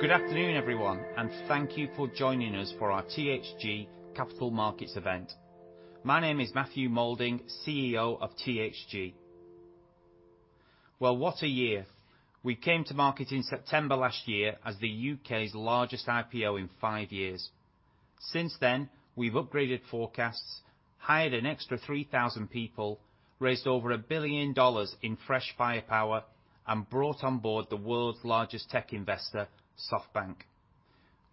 Good afternoon, everyone, and thank you for joining us for our THG Capital Markets event. My name is Matt Moulding, CEO of THG. Well, what a year. We came to market in September last year as the U.K.'s largest IPO in five years. Since then, we've upgraded forecasts, hired an extra 3,000 people, raised over $1 billion in fresh firepower, and brought on board the world's largest tech investor, SoftBank.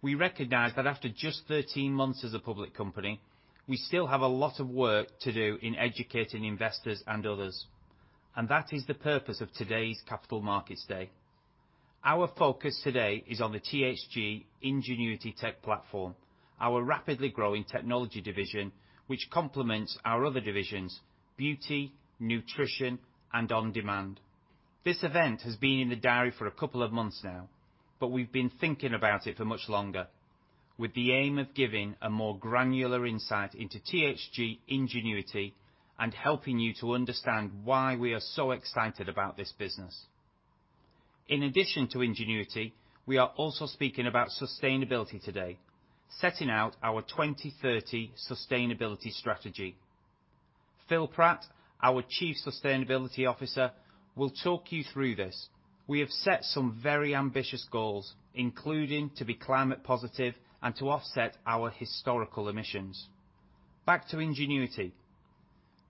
We recognize that after just 13 months as a public company, we still have a lot of work to do in educating investors and others, and that is the purpose of today's Capital Markets day. Our focus today is on the THG Ingenuity Tech platform, our rapidly growing technology division, which complements our other divisions, beauty, nutrition, and on-demand. This event has been in the diary for a couple of months now, but we've been thinking about it for much longer, with the aim of giving a more granular insight into THG Ingenuity and helping you to understand why we are so excited about this business. In addition to Ingenuity, we are also speaking about sustainability today, setting out our 2030 sustainability strategy. Mark Flook, our Chief Sustainability Officer, will talk you through this. We have set some very ambitious goals, including to be climate positive and to offset our historical emissions. Back to Ingenuity.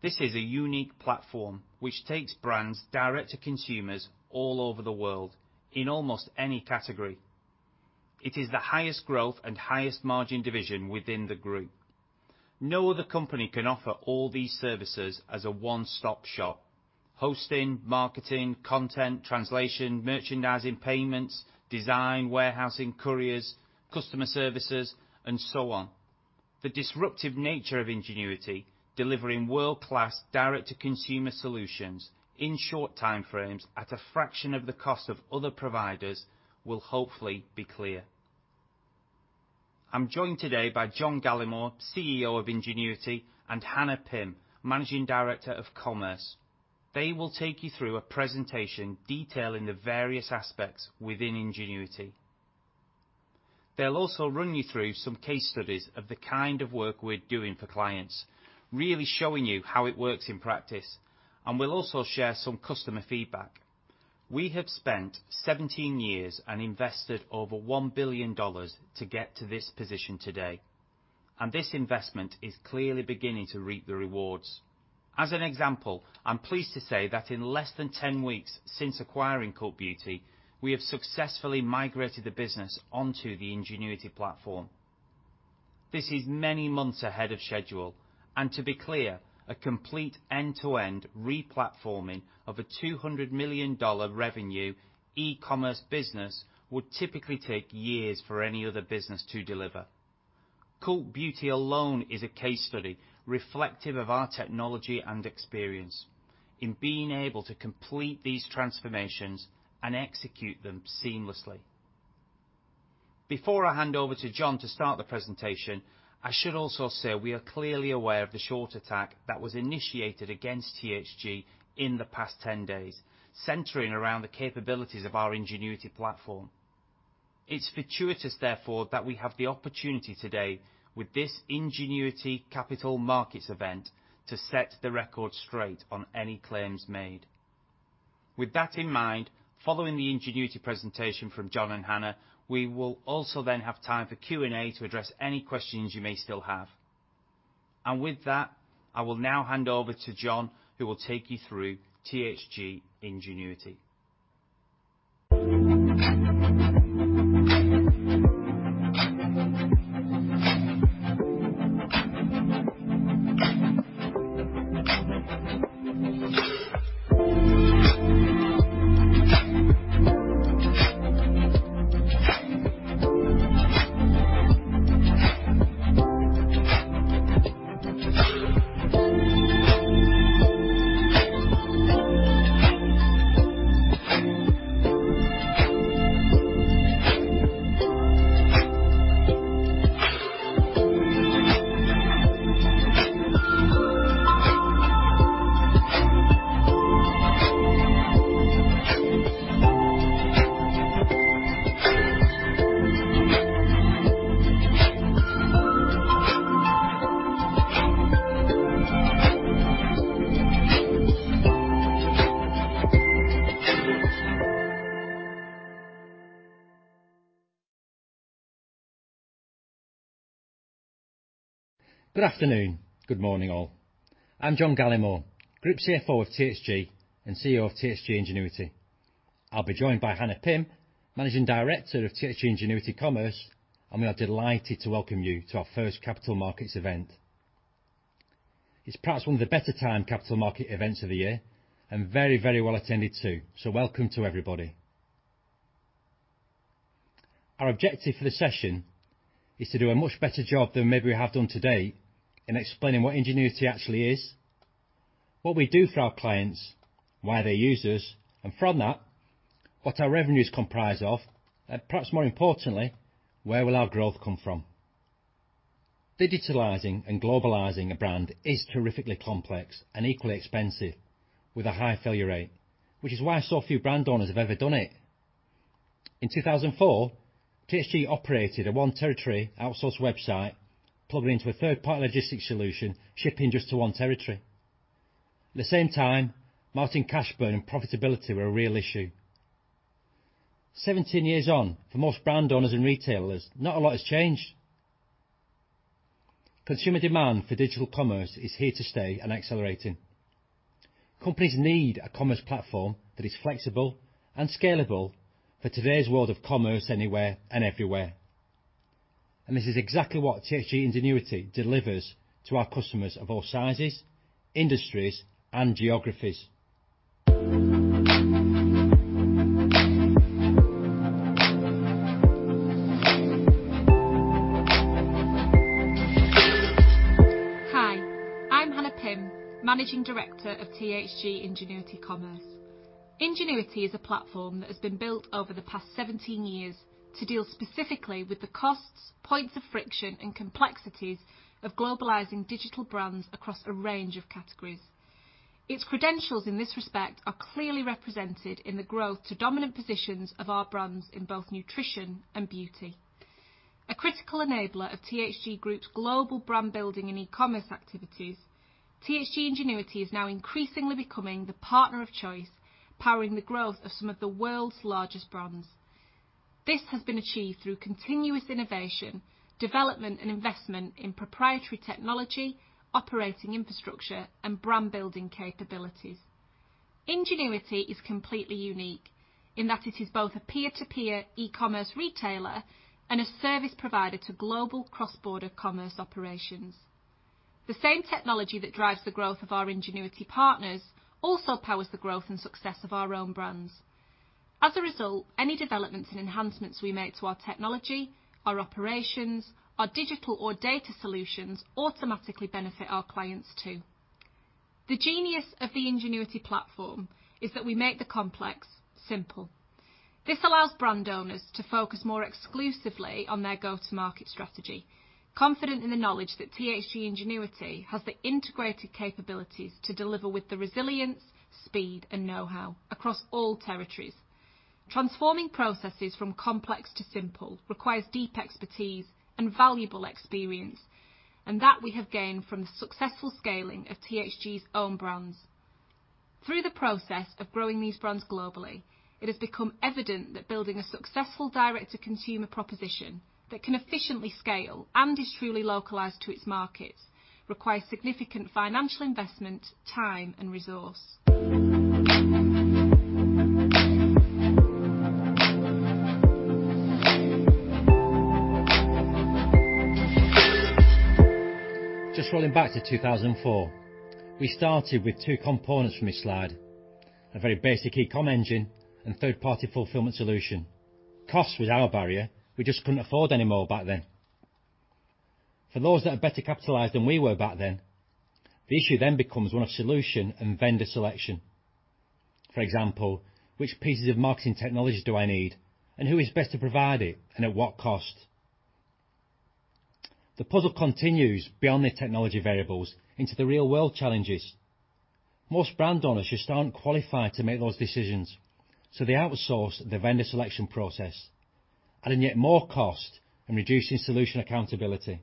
This is a unique platform which takes brands direct to consumers all over the world in almost any category. It is the highest growth and highest margin division within the group. No other company can offer all these services as a one-stop shop. Hosting, marketing, content, translation, merchandising, payments, design, warehousing, couriers, customer services, and so on. The disruptive nature of Ingenuity, delivering world-class direct-to-consumer solutions in short time frames at a fraction of the cost of other providers, will hopefully be clear. I'm joined today by John Gallemore, CEO of Ingenuity, and Hannah Pym, Managing Director of Commerce. They will take you through a presentation detailing the various aspects within Ingenuity. They'll also run you through some case studies of the kind of work we're doing for clients, really showing you how it works in practice, and we'll also share some customer feedback. We have spent 17 years and invested over $1 billion to get to this position today, and this investment is clearly beginning to reap the rewards. As an example, I'm pleased to say that in less than 10 weeks since acquiring Cult Beauty, we have successfully migrated the business onto the Ingenuity platform. This is many months ahead of schedule. To be clear, a complete end-to-end re-platforming of a GBP 200 million revenue e-commerce business would typically take years for any other business to deliver. Cult Beauty alone is a case study reflective of our technology and experience in being able to complete these transformations and execute them seamlessly. Before I hand over to John Gallemore to start the presentation, I should also say we are clearly aware of the short attack that was initiated against THG in the past 10 days, centering around the capabilities of our Ingenuity platform. It's fortuitous, therefore, that we have the opportunity today with this Ingenuity capital markets event to set the record straight on any claims made. With that in mind, following the Ingenuity presentation from John and Hannah, we will also then have time for Q&A to address any questions you may still have. With that, I will now hand over to John Gallemore, who will take you through THG Ingenuity. Good afternoon. Good morning, all. I'm John Gallemore, Group CFO of THG and CEO of THG Ingenuity. I'll be joined by Hannah Pym, Managing Director of THG Ingenuity Commerce, and we are delighted to welcome you to our first capital markets event. It's perhaps one of the better timed capital market events of the year and very, very well attended too. Welcome to everybody. Our objective for the session is to do a much better job than maybe we have done to date in explaining what Ingenuity actually is, what we do for our clients, why they use us, and from that, what our revenues comprise of, and perhaps more importantly, where will our growth come from. Digitalizing and globalizing a brand is terrifically complex and equally expensive with a high failure rate, which is why so few brand owners have ever done it. In 2004, THG operated a 1 territory outsourced website plugging into a third-party logistics solution, shipping just to 1 territory. At the same time, marketing cash burn and profitability were a real issue. 17 years on, for most brand owners and retailers, not a lot has changed. Consumer demand for digital commerce is here to stay and accelerating. Companies need a commerce platform that is flexible and scalable for today's world of commerce anywhere and everywhere. This is exactly what THG Ingenuity delivers to our customers of all sizes, industries, and geographies. Hi, I'm Hannah Pym, Managing Director of THG Ingenuity Commerce. Ingenuity is a platform that has been built over the past 17 years to deal specifically with the costs, points of friction, and complexities of globalizing digital brands across a range of categories. Its credentials in this respect are clearly represented in the growth to dominant positions of our brands in both nutrition and beauty. A critical enabler of THG Group's global brand building and e-commerce activities, THG Ingenuity is now increasingly becoming the partner of choice, powering the growth of some of the world's largest brands. This has been achieved through continuous innovation, development, and investment in proprietary technology, operating infrastructure, and brand-building capabilities. Ingenuity is completely unique in that it is both a peer-to-peer e-commerce retailer and a service provider to global cross-border commerce operations. The same technology that drives the growth of our Ingenuity partners also powers the growth and success of our own brands. As a result, any developments and enhancements we make to our technology, our operations, our digital or data solutions automatically benefit our clients too. The genius of the Ingenuity platform is that we make the complex simple. This allows brand owners to focus more exclusively on their go-to-market strategy, confident in the knowledge that THG Ingenuity has the integrated capabilities to deliver with the resilience, speed, and know-how across all territories. Transforming processes from complex to simple requires deep expertise and valuable experience, and that we have gained from the successful scaling of THG's own brands. Through the process of growing these brands globally, it has become evident that building a successful direct-to-consumer proposition that can efficiently scale and is truly localized to its markets requires significant financial investment, time, and resource. Rolling back to 2004. We started with two components from this slide, a very basic e-commerce engine and third-party fulfillment solution. Cost was our barrier. We just couldn't afford any more back then. For those that are better capitalized than we were back then, the issue then becomes one of solution and vendor selection. For example, which pieces of marketing technology do I need, and who is best to provide it, and at what cost? The puzzle continues beyond the technology variables into the real-world challenges. Most brand owners just aren't qualified to make those decisions, they outsource the vendor selection process, adding yet more cost and reducing solution accountability.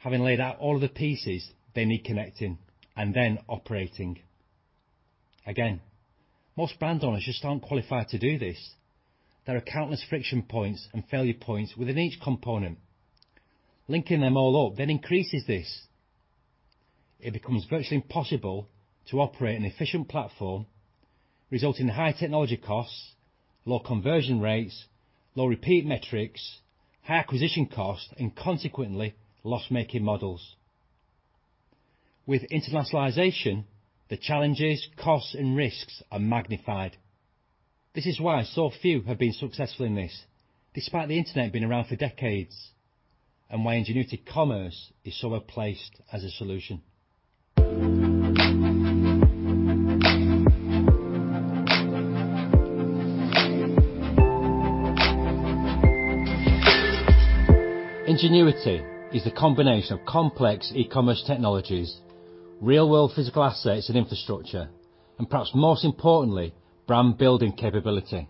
Having laid out all of the pieces, they need connecting and then operating. Again, most brand owners just aren't qualified to do this. There are countless friction points and failure points within each component. Linking them all up increases this. It becomes virtually impossible to operate an efficient platform, resulting in high technology costs, low conversion rates, low repeat metrics, high acquisition costs, and consequently, loss-making models. With internationalization, the challenges, costs, and risks are magnified. This is why so few have been successful in this, despite the Internet being around for decades, and why Ingenuity Commerce is so well-placed as a solution. Ingenuity is the combination of complex e-commerce technologies, real-world physical assets and infrastructure, and perhaps most importantly, brand-building capability.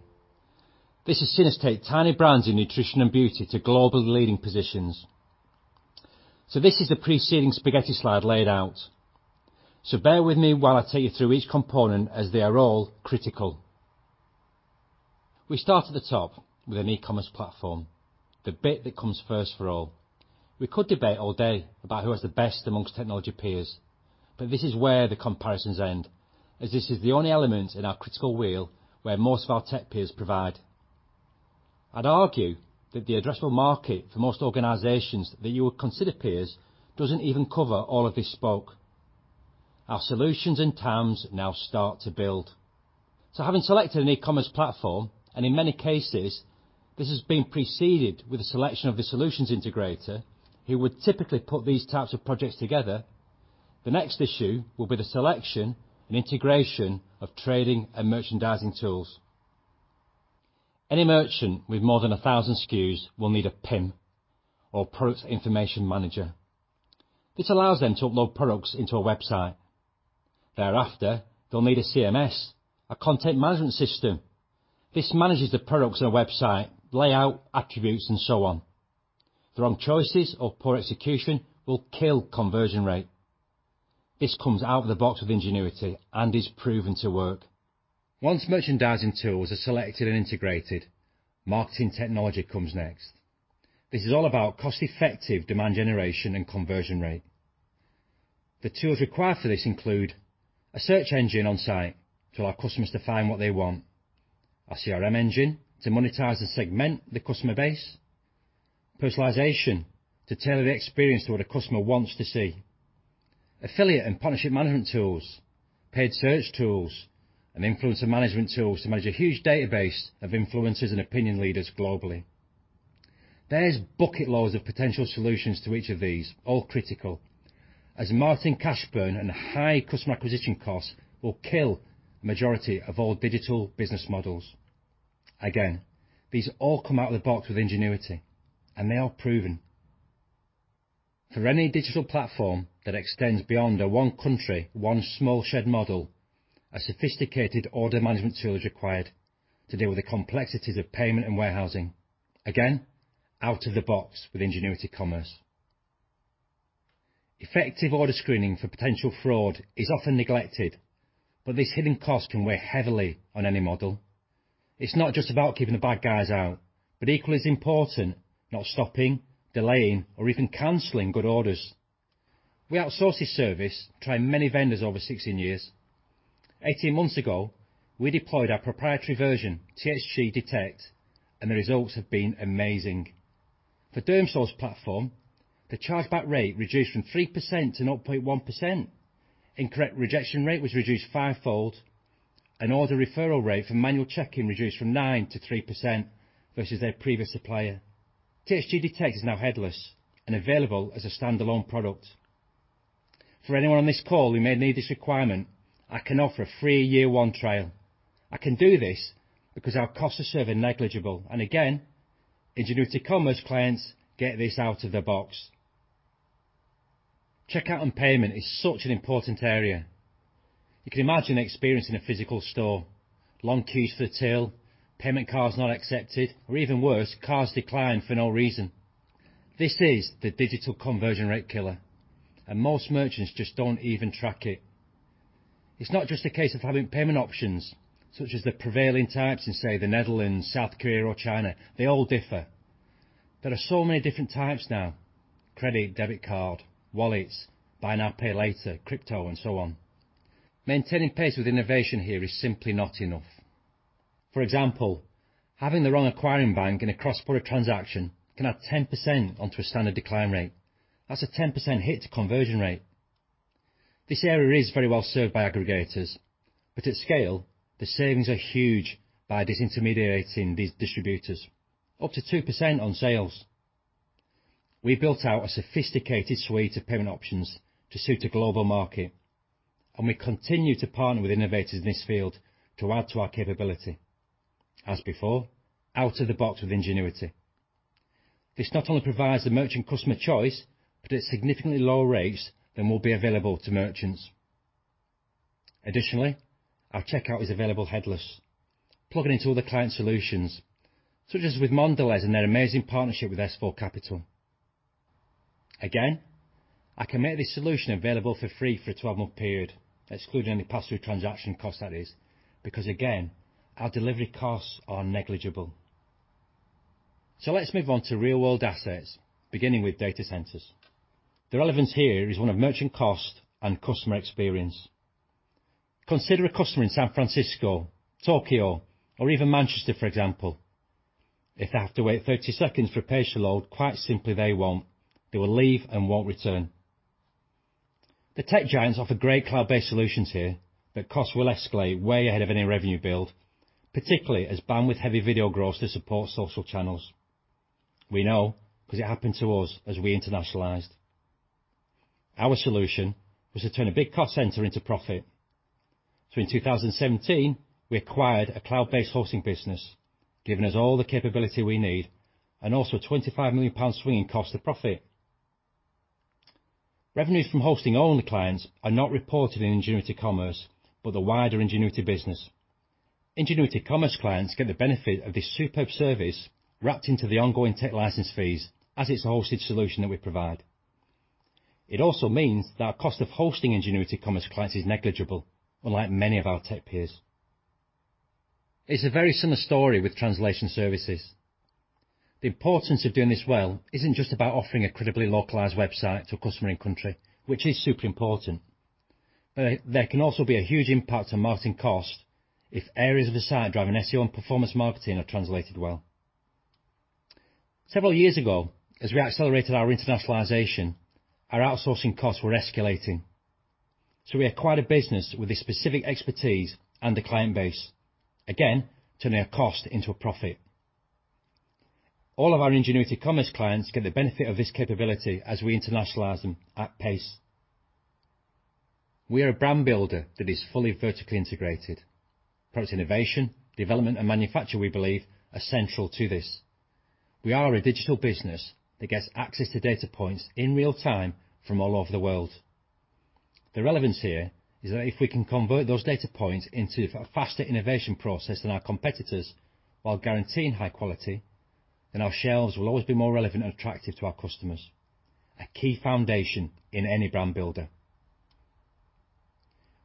This has seen us take tiny brands in nutrition and beauty to global leading positions. This is the preceding spaghetti slide laid out. Bear with me while I take you through each component as they are all critical. We start at the top with an e-commerce platform, the bit that comes first for all. We could debate all day about who has the best amongst technology peers, but this is where the comparisons end, as this is the only element in our critical wheel where most of our tech peers provide. I'd argue that the addressable market for most organizations that you would consider peers doesn't even cover all of this spoke. Our solutions and TAMs now start to build. Having selected an e-commerce platform, and in many cases, this has been preceded with the selection of the solutions integrator, who would typically put these types of projects together. The next issue will be the selection and integration of trading and merchandising tools. Any merchant with more than 1,000 SKUs will need a PIM, or product information manager. This allows them to upload products into a website. Thereafter, they'll need a CMS, a content management system. This manages the products on a website, layout, attributes, and so on. The wrong choices or poor execution will kill conversion rate. This comes out of the box with Ingenuity and is proven to work. Once merchandising tools are selected and integrated, marketing technology comes next. This is all about cost-effective demand generation and conversion rate. The tools required for this include a search engine on site to allow customers to find what they want, a CRM engine to monetize and segment the customer base, personalization to tailor the experience to what a customer wants to see, affiliate and partnership management tools, paid search tools, and influencer management tools to manage a huge database of influencers and opinion leaders globally. There's bucket loads of potential solutions to each of these, all critical, as marketing cash burn and high customer acquisition costs will kill the majority of all digital business models. Again, these all come out of the box with THG Ingenuity, and they are proven. For any digital platform that extends beyond a one country, one small shed model, a sophisticated order management tool is required to deal with the complexities of payment and warehousing. Again, out of the box with THG Ingenuity Commerce. Effective order screening for potential fraud is often neglected, but this hidden cost can weigh heavily on any model. It's not just about keeping the bad guys out, but equally as important, not stopping, delaying, or even canceling good orders. We outsource this service, trying many vendors over 16 years. 18 months ago, we deployed our proprietary version, THG Detect, and the results have been amazing. For Dermstore's platform, the chargeback rate reduced from 3% -0.1%. Incorrect rejection rate was reduced fivefold, and order referral rate for manual checking reduced from 9% -3% versus their previous supplier. THG Detect is now headless and available as a standalone product. For anyone on this call who may need this requirement, I can offer a free year 1 trial. I can do this because our costs are serving negligible, and again, Ingenuity Commerce clients get this out of the box. Checkout and payment is such an important area. You can imagine the experience in a physical store, long queues for the till, payment cards not accepted, or even worse, cards declined for no reason. This is the digital conversion rate killer. Most merchants just don't even track it. It's not just a case of having payment options such as the prevailing types in, say, the Netherlands, South Korea or China. They all differ. There are so many different types now, credit, debit card, wallets, buy now, pay later, crypto, and so on. Maintaining pace with innovation here is simply not enough. For example, having the wrong acquiring bank in a cross-border transaction can add 10% onto a standard decline rate. That's a 10% hit to conversion rate. This area is very well served by aggregators, but at scale, the savings are huge by disintermediating these distributors, up to 2% on sales. We built out a sophisticated suite of payment options to suit a global market, and we continue to partner with innovators in this field to add to our capability. As before, out of the box with Ingenuity. This not only provides the merchant customer choice, but at significantly lower rates than will be available to merchants. Additionally, our checkout is available headless, plugging into other client solutions, such as with Mondelez and their amazing partnership with S4 Capital. Again, I can make this solution available for free for a 12-month period, excluding any pass-through transaction cost that is, because again, our delivery costs are negligible. Let's move on to real-world assets, beginning with data centers. The relevance here is one of merchant cost and customer experience. Consider a customer in San Francisco, Tokyo, or even Manchester, for example. If they have to wait 30 seconds for a page to load, quite simply, they won't. They will leave and won't return. The tech giants offer great cloud-based solutions here, but costs will escalate way ahead of any revenue build, particularly as bandwidth-heavy video grows to support social channels. We know because it happened to us as we internationalized. Our solution was to turn a big cost center into profit. In 2017, we acquired a cloud-based hosting business, giving us all the capability we need, and also 25 million pound swing in cost to profit. Revenues from hosting-only clients are not reported in Ingenuity Commerce, but the wider Ingenuity business. Ingenuity Commerce clients get the benefit of this superb service wrapped into the ongoing tech license fees as it's a hosted solution that we provide. It also means that our cost of hosting Ingenuity Commerce clients is negligible, unlike many of our tech peers. It's a very similar story with translation services. The importance of doing this well isn't just about offering a credibly localized website to a customer in country, which is super important. There can also be a huge impact on marketing cost if areas of a site driving SEO and performance marketing are translated well. Several years ago, as we accelerated our internationalization, our outsourcing costs were escalating. We acquired a business with a specific expertise and a client base, again, turning a cost into a profit. All of our Ingenuity Commerce clients get the benefit of this capability as we internationalize them at pace. We are a brand builder that is fully vertically integrated. Product innovation, development, and manufacture, we believe, are central to this. We are a digital business that gets access to data points in real time from all over the world. The relevance here is that if we can convert those data points into a faster innovation process than our competitors while guaranteeing high quality, then our shelves will always be more relevant and attractive to our customers, a key foundation in any brand builder.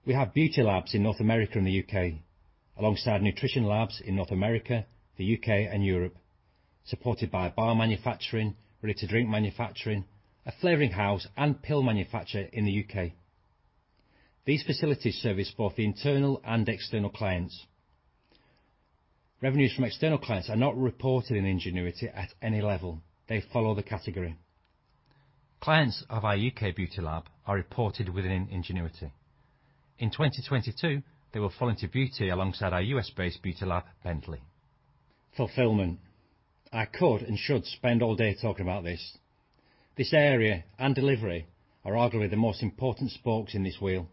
We have beauty labs in North America and the U.K., alongside nutrition labs in North America, the U.K., and Europe, supported by bar manufacturing, ready-to-drink manufacturing, a flavoring house, and pill manufacturer in the U.K. These facilities service both internal and external clients. Revenues from external clients are not reported in Ingenuity at any level. They follow the category. Clients of our U.K. beauty lab are reported within Ingenuity. In 2022, they will fall into beauty alongside our U.S.-based beauty lab, Bentley. Fulfillment. I could and should spend all day talking about this. This area and delivery are arguably the most important spokes in this wheel.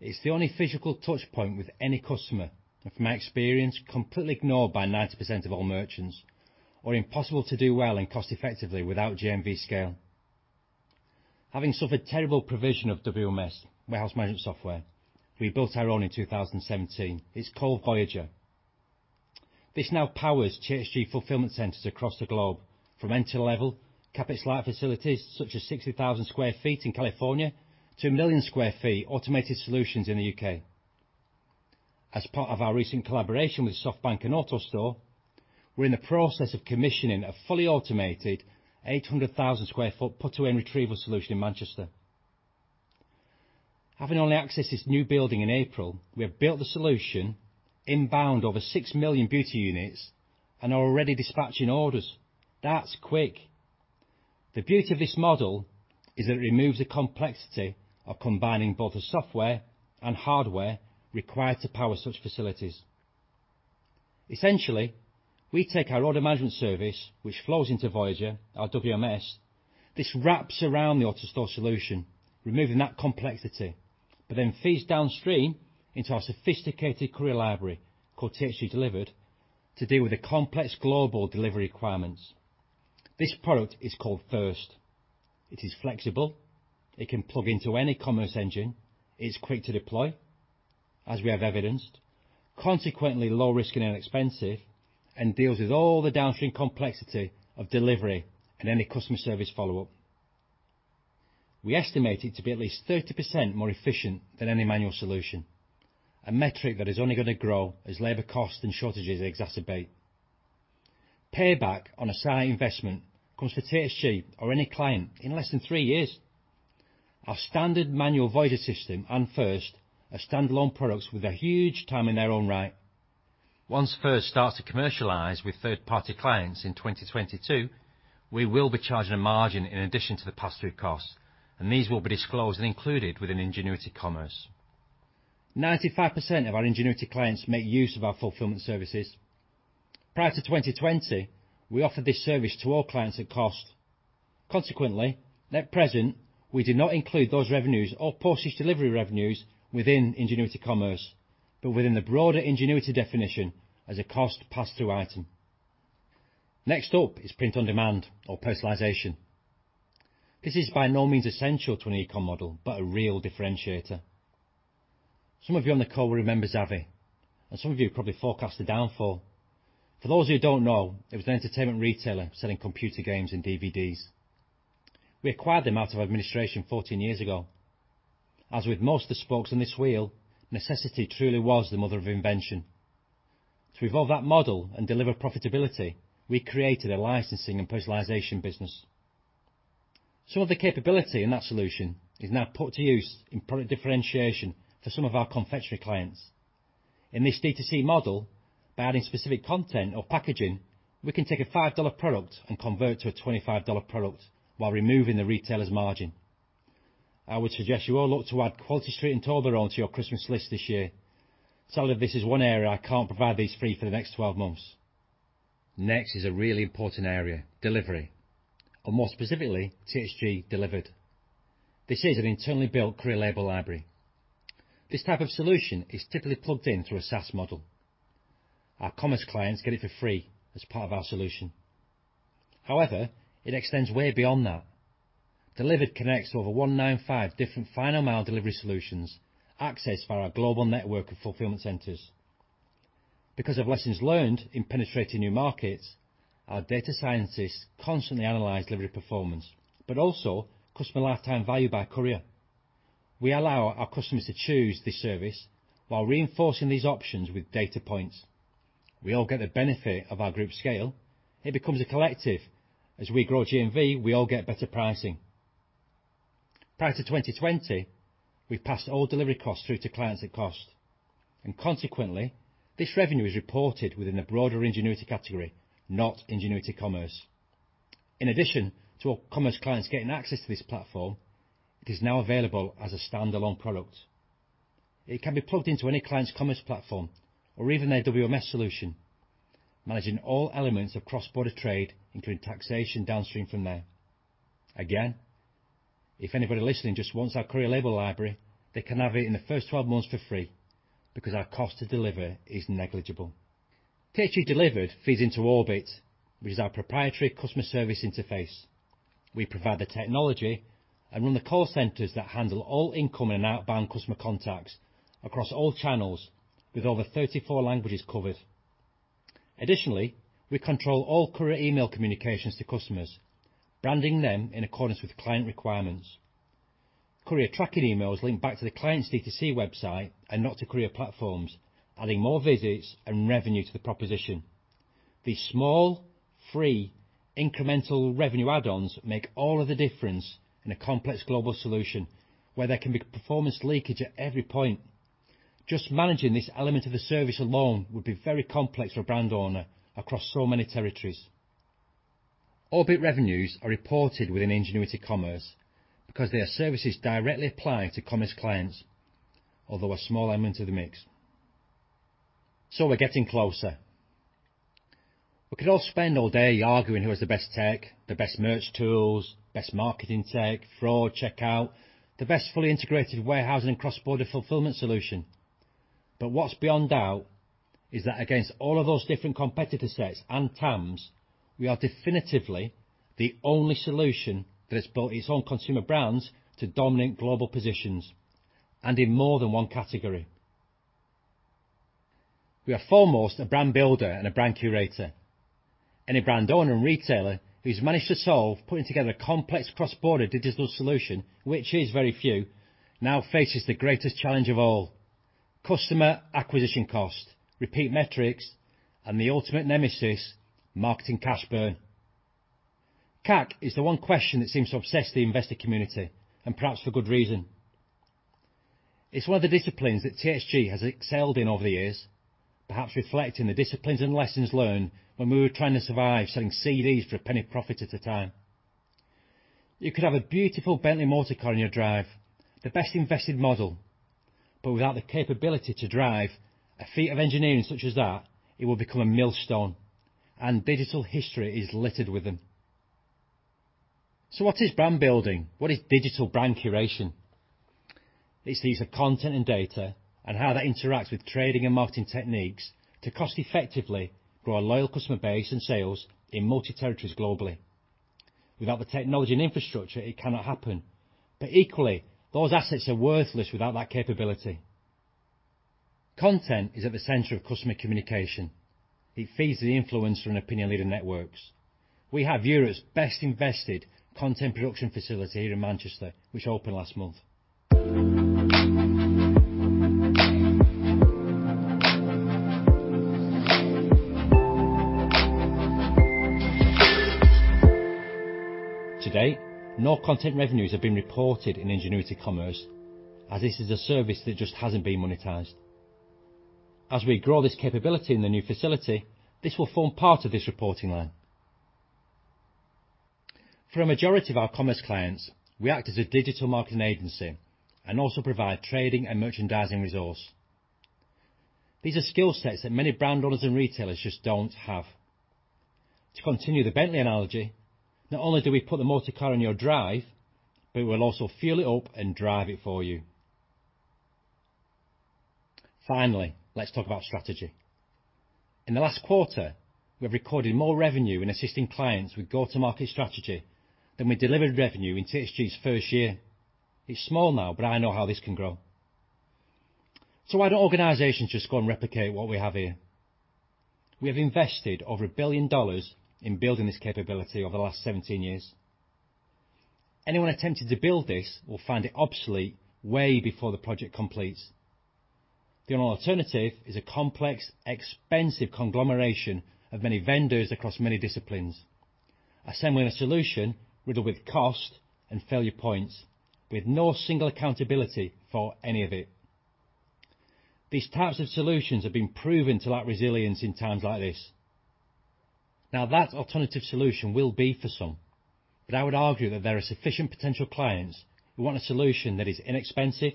It's the only physical touchpoint with any customer, and from experience, completely ignored by 90% of all merchants. Impossible to do well and cost effectively without GMV scale. Having suffered terrible provision of WMS, warehouse management software, we built our own in 2017. It's called Voyager. This now powers THG fulfillment centers across the globe, from entry-level, capital-light facilities, such as 60,000 sq ft in California, to 1 million sq ft automated solutions in the U.K. As part of our recent collaboration with SoftBank and AutoStore, we're in the process of commissioning a fully automated 800,000 sq ft put-away and retrieval solution in Manchester. Having only accessed this new building in April, we have built the solution, inbound over 6 million beauty units, and are already dispatching orders. That's quick. The beauty of this model is that it removes the complexity of combining both the software and hardware required to power such facilities. Essentially, we take our order management service, which flows into Voyager, our WMS. This wraps around the AutoStore solution, removing that complexity, but then feeds downstream into our sophisticated courier library, called THG Delivered, to deal with the complex global delivery requirements. This product is called FIRST. It is flexible. It can plug into any commerce engine. It's quick to deploy, as we have evidenced, consequently low risk and inexpensive, and deals with all the downstream complexity of delivery and any customer service follow-up. We estimate it to be at least 30% more efficient than any manual solution, a metric that is only going to grow as labor costs and shortages exacerbate. Payback on a site investment comes to THG or any client in less than 3 years. Our standard manual Voyager system and FIRST are standalone products with a huge TAM in their own right. Once First starts to commercialize with third-party clients in 2022, we will be charging a margin in addition to the pass-through costs. These will be disclosed and included within Ingenuity Commerce. 95% of our Ingenuity clients make use of our fulfillment services. Prior to 2020, we offered this service to all clients at cost. Consequently, at present, we do not include those revenues or postage delivery revenues within Ingenuity Commerce, but within the broader Ingenuity definition as a cost pass-through item. Next up is print on demand or personalization. This is by no means essential to an eCom model, but a real differentiator. Some of you on the call will remember Zavvi. Some of you probably forecast the downfall. For those who don't know, it was an entertainment retailer selling computer games and DVDs. We acquired them out of administration 14 years ago. As with most of the spokes on this wheel, necessity truly was the mother of invention. To evolve that model and deliver profitability, we created a licensing and personalization business. Some of the capability in that solution is now put to use in product differentiation for some of our confectionery clients. In this D2C model, by adding specific content or packaging, we can take a GBP 5 product and convert to a GBP 25 product while removing the retailer's margin. I would suggest you all look to add Quality Street and Toblerone to your Christmas list this year. Sadly, this is one area I can't provide these free for the next 12 months. Next is a really important area, delivery. More specifically, THG Delivered. This is an internally built courier label library. This type of solution is typically plugged in through a SaaS model. Our commerce clients get it for free as part of our solution. However, it extends way beyond that. Delivered connects over 195 different final mile delivery solutions, accessed via our global network of fulfillment centers. Because of lessons learned in penetrating new markets, our data scientists constantly analyze delivery performance, but also customer lifetime value by courier. We allow our customers to choose this service while reinforcing these options with data points. We all get the benefit of our group scale. It becomes a collective. As we grow GMV, we all get better pricing. Prior to 2020, we passed all delivery costs through to clients at cost. Consequently, this revenue is reported within the broader Ingenuity category, not Ingenuity Commerce. In addition to all commerce clients getting access to this platform, it is now available as a standalone product. It can be plugged into any client's commerce platform or even their WMS solution, managing all elements of cross-border trade, including taxation downstream from there. If anybody listening just wants our courier label library, they can have it in the first 12 months for free because our cost to deliver is negligible. THG Delivered feeds into Orbit, which is our proprietary customer service interface. We provide the technology and run the call centers that handle all incoming and outbound customer contacts across all channels with over 34 languages covered. Additionally, we control all courier email communications to customers, branding them in accordance with client requirements. Courier tracking emails link back to the client's D2C website and not to courier platforms, adding more visits and revenue to the proposition. These small, free, incremental revenue add-ons make all of the difference in a complex global solution where there can be performance leakage at every point. Just managing this element of the service alone would be very complex for a brand owner across so many territories. THG Orbit revenues are reported within THG Ingenuity Commerce because they are services directly applied to commerce clients, although a small element of the mix. We're getting closer. We could all spend all day arguing who has the best tech, the best merch tools, best marketing tech, fraud checkout, the best fully integrated warehousing cross-border fulfillment solution. What's beyond doubt is that against all of those different competitor sets and TAMs, we are definitively the only solution that has brought its own consumer brands to dominant global positions, and in more than one category. We are foremost a brand builder and a brand curator. Any brand owner and retailer who's managed to solve putting together a complex cross-border digital solution, which is very few, now faces the greatest challenge of all, customer acquisition cost, repeat metrics, and the ultimate nemesis, marketing cash burn. CAC is the 1 question that seems to obsess the investor community, and perhaps for good reason. It's 1 of the disciplines that THG has excelled in over the years, perhaps reflecting the disciplines and lessons learned when we were trying to survive selling CDs for a GBP 0.01 profit at a time. You could have a beautiful Bentley motor car in your drive, the best invested model, but without the capability to drive a feat of engineering such as that, it will become a millstone, and digital history is littered with them. What is brand building? What is digital brand curation? It's the use of content and data and how that interacts with trading and marketing techniques to cost effectively grow a loyal customer base and sales in multi-territories globally. Without the technology and infrastructure, it cannot happen. Equally, those assets are worthless without that capability. Content is at the center of customer communication. It feeds the influencer and opinion leader networks. We have Europe's best invested content production facility here in Manchester, which opened last month. To date, no content revenues have been reported in Ingenuity Commerce as this is a service that just hasn't been monetized. As we grow this capability in the new facility, this will form part of this reporting line. For a majority of our commerce clients, we act as a digital marketing agency and also provide trading and merchandising resource. These are skill sets that many brand owners and retailers just don't have. To continue the Bentley analogy, not only do we put the motor car on your drive, but we'll also fuel it up and drive it for you. Finally, let's talk about strategy. In the last quarter, we have recorded more revenue in assisting clients with go-to-market strategy than we delivered revenue in THG's first year. It's small now, but I know how this can grow. Why don't organizations just go and replicate what we have here? We have invested over $1 billion in building this capability over the last 17 years. Anyone attempting to build this will find it obsolete way before the project completes. The only alternative is a complex, expensive conglomeration of many vendors across many disciplines, assembling a solution riddled with cost and failure points, with no single accountability for any of it. These types of solutions have been proven to lack resilience in times like this. That alternative solution will be for some, but I would argue that there are sufficient potential clients who want a solution that is inexpensive,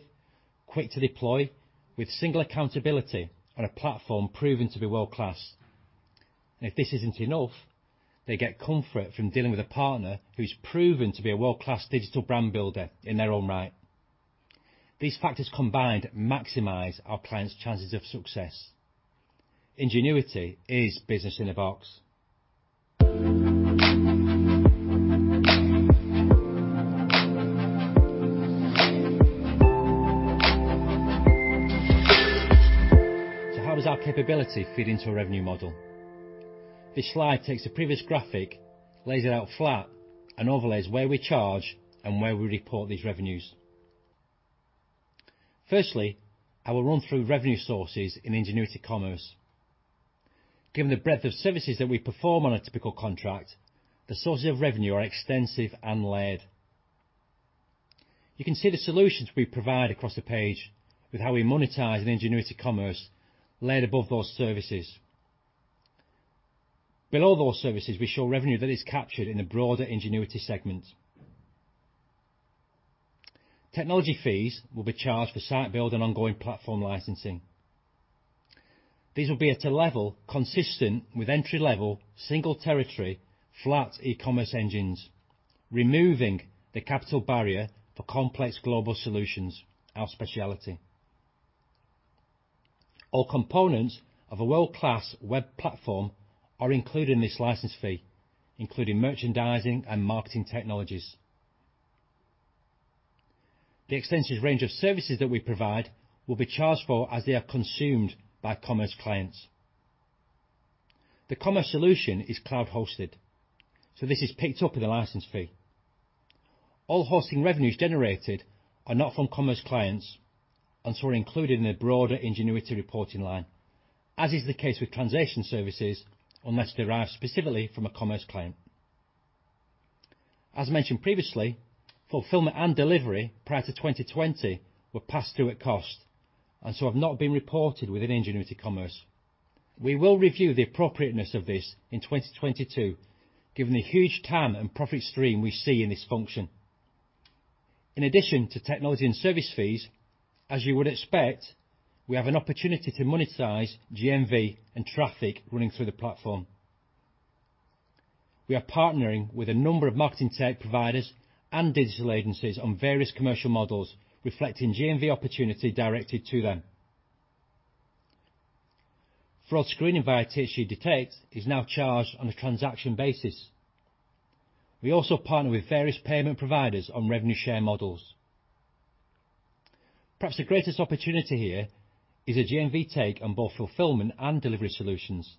quick to deploy, with single accountability on a platform proven to be world-class. If this isn't enough, they get comfort from dealing with a partner who's proven to be a world-class digital brand builder in their own right. These factors combined maximize our clients' chances of success. Ingenuity is business in a box. How does our capability fit into a revenue model? This slide takes the previous graphic, lays it out flat, and overlays where we charge and where we report these revenues. Firstly, I will run through revenue sources in Ingenuity Commerce. Given the breadth of services that we perform on a typical contract, the sources of revenue are extensive and layered. You can see the solutions we provide across the page with how we monetize in Ingenuity Commerce layered above those services. Below those services, we show revenue that is captured in a broader Ingenuity segment. Technology fees will be charged for site build and ongoing platform licensing. These will be at a level consistent with entry-level, single territory, flat e-commerce engines, removing the capital barrier for complex global solutions, our specialty. All components of a world-class web platform are included in this license fee, including merchandising and marketing technologies. The extensive range of services that we provide will be charged for as they are consumed by commerce clients. The commerce solution is cloud-hosted, so this is picked up in the license fee. All hosting revenues generated are not from commerce clients and so are included in the broader Ingenuity reporting line, as is the case with transaction services, unless derived specifically from a commerce client. As mentioned previously, fulfillment and delivery prior to 2020 were passed through at cost and so have not been reported within Ingenuity Commerce. We will review the appropriateness of this in 2022 given the huge TAM and profit stream we see in this function. In addition to technology and service fees, as you would expect, we have an opportunity to monetize GMV and traffic running through the platform. We are partnering with a number of marketing tech providers and digital agencies on various commercial models reflecting GMV opportunity directed to them. Fraud screening via THG Detect is now charged on a transaction basis. We also partner with various payment providers on revenue share models. Perhaps the greatest opportunity here is a GMV take on both fulfillment and delivery solutions.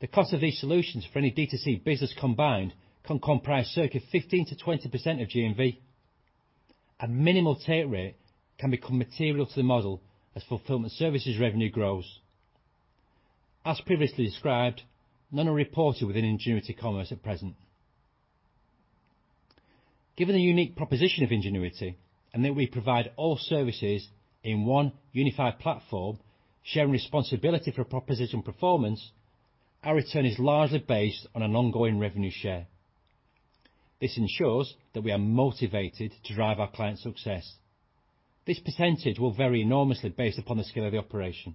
The cost of these solutions for any D2C business combined can comprise circa 15%-20% of GMV. A minimal take rate can become material to the model as fulfillment services revenue grows. As previously described, none are reported within Ingenuity Commerce at present. Given the unique proposition of Ingenuity and that we provide all services in one unified platform, sharing responsibility for proposition performance, our return is largely based on an ongoing revenue share. This ensures that we are motivated to drive our client success. This percentage will vary enormously based upon the scale of the operation.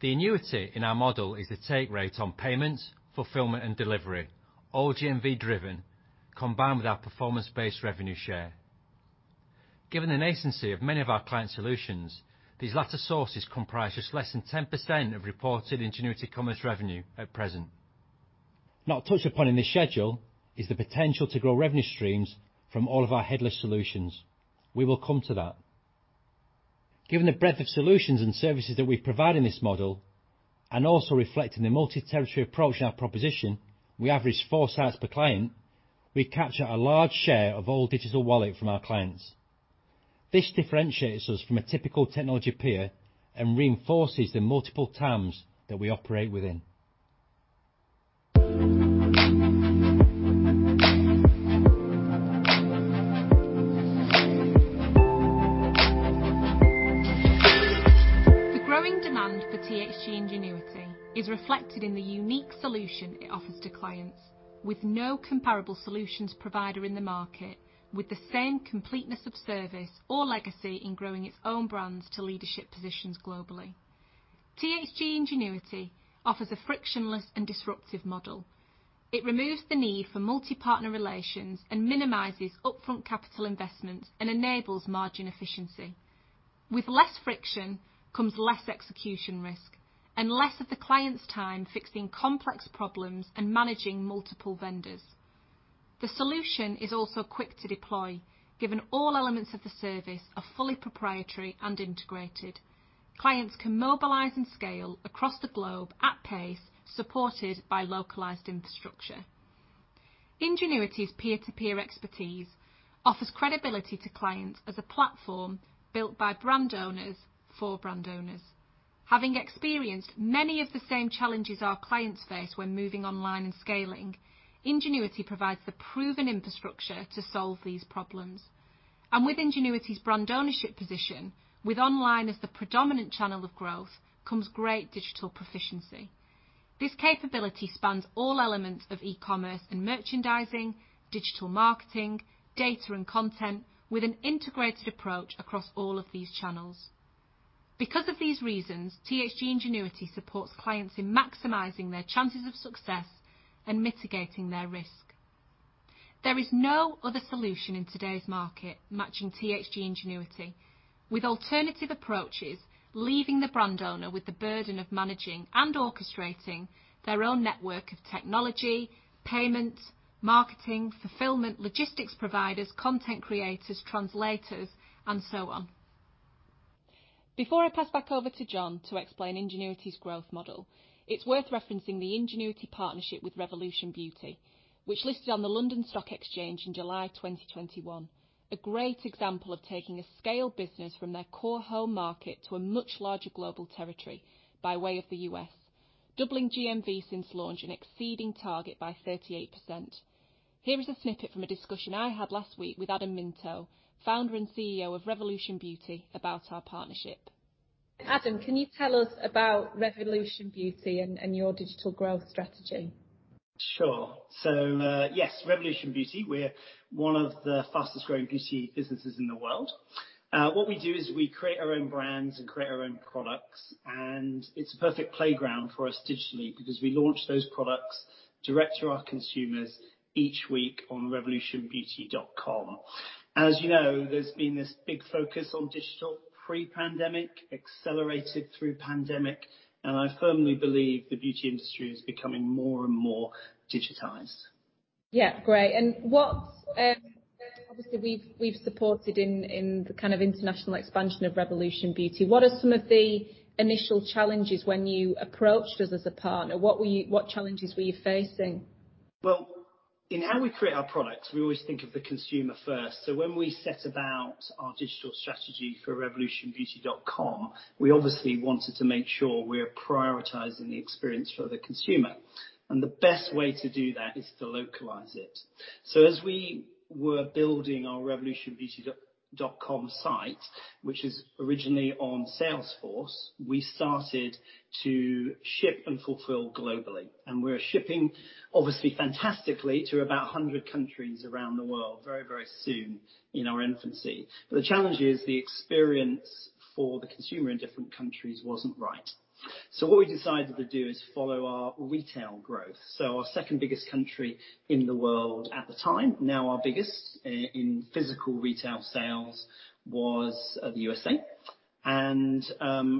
The annuity in our model is the take rate on payments, fulfillment, and delivery, all GMV driven, combined with our performance-based revenue share. Given the nascency of many of our client solutions, these latter sources comprise just less than 10% of reported Ingenuity Commerce revenue at present. Not touched upon in this schedule is the potential to grow revenue streams from all of our headless solutions. We will come to that. Given the breadth of solutions and services that we provide in this model, and also reflecting the multi-territory approach in our proposition, we average four sites per client, we capture a large share of all digital wallet from our clients. This differentiates us from a typical technology peer and reinforces the multiple TAMs that we operate within. The growing demand for THG Ingenuity is reflected in the unique solution it offers to clients, with no comparable solutions provider in the market with the same completeness of service or legacy in growing its own brands to leadership positions globally. THG Ingenuity offers a frictionless and disruptive model. It removes the need for multi-partner relations and minimizes upfront capital investments and enables margin efficiency. With less friction comes less execution risk and less of the client's time fixing complex problems and managing multiple vendors. The solution is also quick to deploy, given all elements of the service are fully proprietary and integrated. Clients can mobilize and scale across the globe at pace, supported by localized infrastructure. Ingenuity's peer-to-peer expertise offers credibility to clients as a platform built by brand owners for brand owners. Having experienced many of the same challenges our clients face when moving online and scaling, Ingenuity provides the proven infrastructure to solve these problems. With Ingenuity's brand ownership position, with online as the predominant channel of growth, comes great digital proficiency. This capability spans all elements of e-commerce and merchandising, digital marketing, data and content, with an integrated approach across all of these channels. Because of these reasons, THG Ingenuity supports clients in maximizing their chances of success and mitigating their risk. There is no other solution in today's market matching THG Ingenuity. With alternative approaches, leaving the brand owner with the burden of managing and orchestrating their own network of technology, payments, marketing, fulfillment, logistics providers, content creators, translators, and so on. Before I pass back over to John Gallemore to explain Ingenuity's growth model, it's worth referencing the Ingenuity partnership with Revolution Beauty, which listed on the London Stock Exchange in July 2021. A great example of taking a scaled business from their core home market to a much larger global territory by way of the U.S., doubling GMV since launch and exceeding target by 38%. Here is a snippet from a discussion I had last week with Adam Minto, Founder and CEO of Revolution Beauty, about our partnership. Adam, can you tell us about Revolution Beauty and your digital growth strategy? Yes, Revolution Beauty, we're one of the fastest-growing beauty businesses in the world. What we do is we create our own brands and create our own products, and it's a perfect playground for us digitally because we launch those products direct to our consumers each week on revolutionbeauty.com. As you know, there's been this big focus on digital pre-pandemic, accelerated through pandemic, and I firmly believe the beauty industry is becoming more and more digitized. Yeah, great. We've supported in the kind of international expansion of Revolution Beauty. What are some of the initial challenges when you approached us as a partner? What challenges were you facing? In how we create our products, we always think of the consumer first. When we set about our digital strategy for revolutionbeauty.com, we obviously wanted to make sure we are prioritizing the experience for the consumer. The best way to do that is to localize it. As we were building our revolutionbeauty.com site, which is originally on Salesforce, we started to ship and fulfill globally, and we're shipping obviously fantastically to about 100 countries around the world very, very soon in our infancy. The challenge is the experience for the consumer in different countries wasn't right. What we decided to do is follow our retail growth. Our second biggest country in the world at the time, now our biggest in physical retail sales was the U.S.A.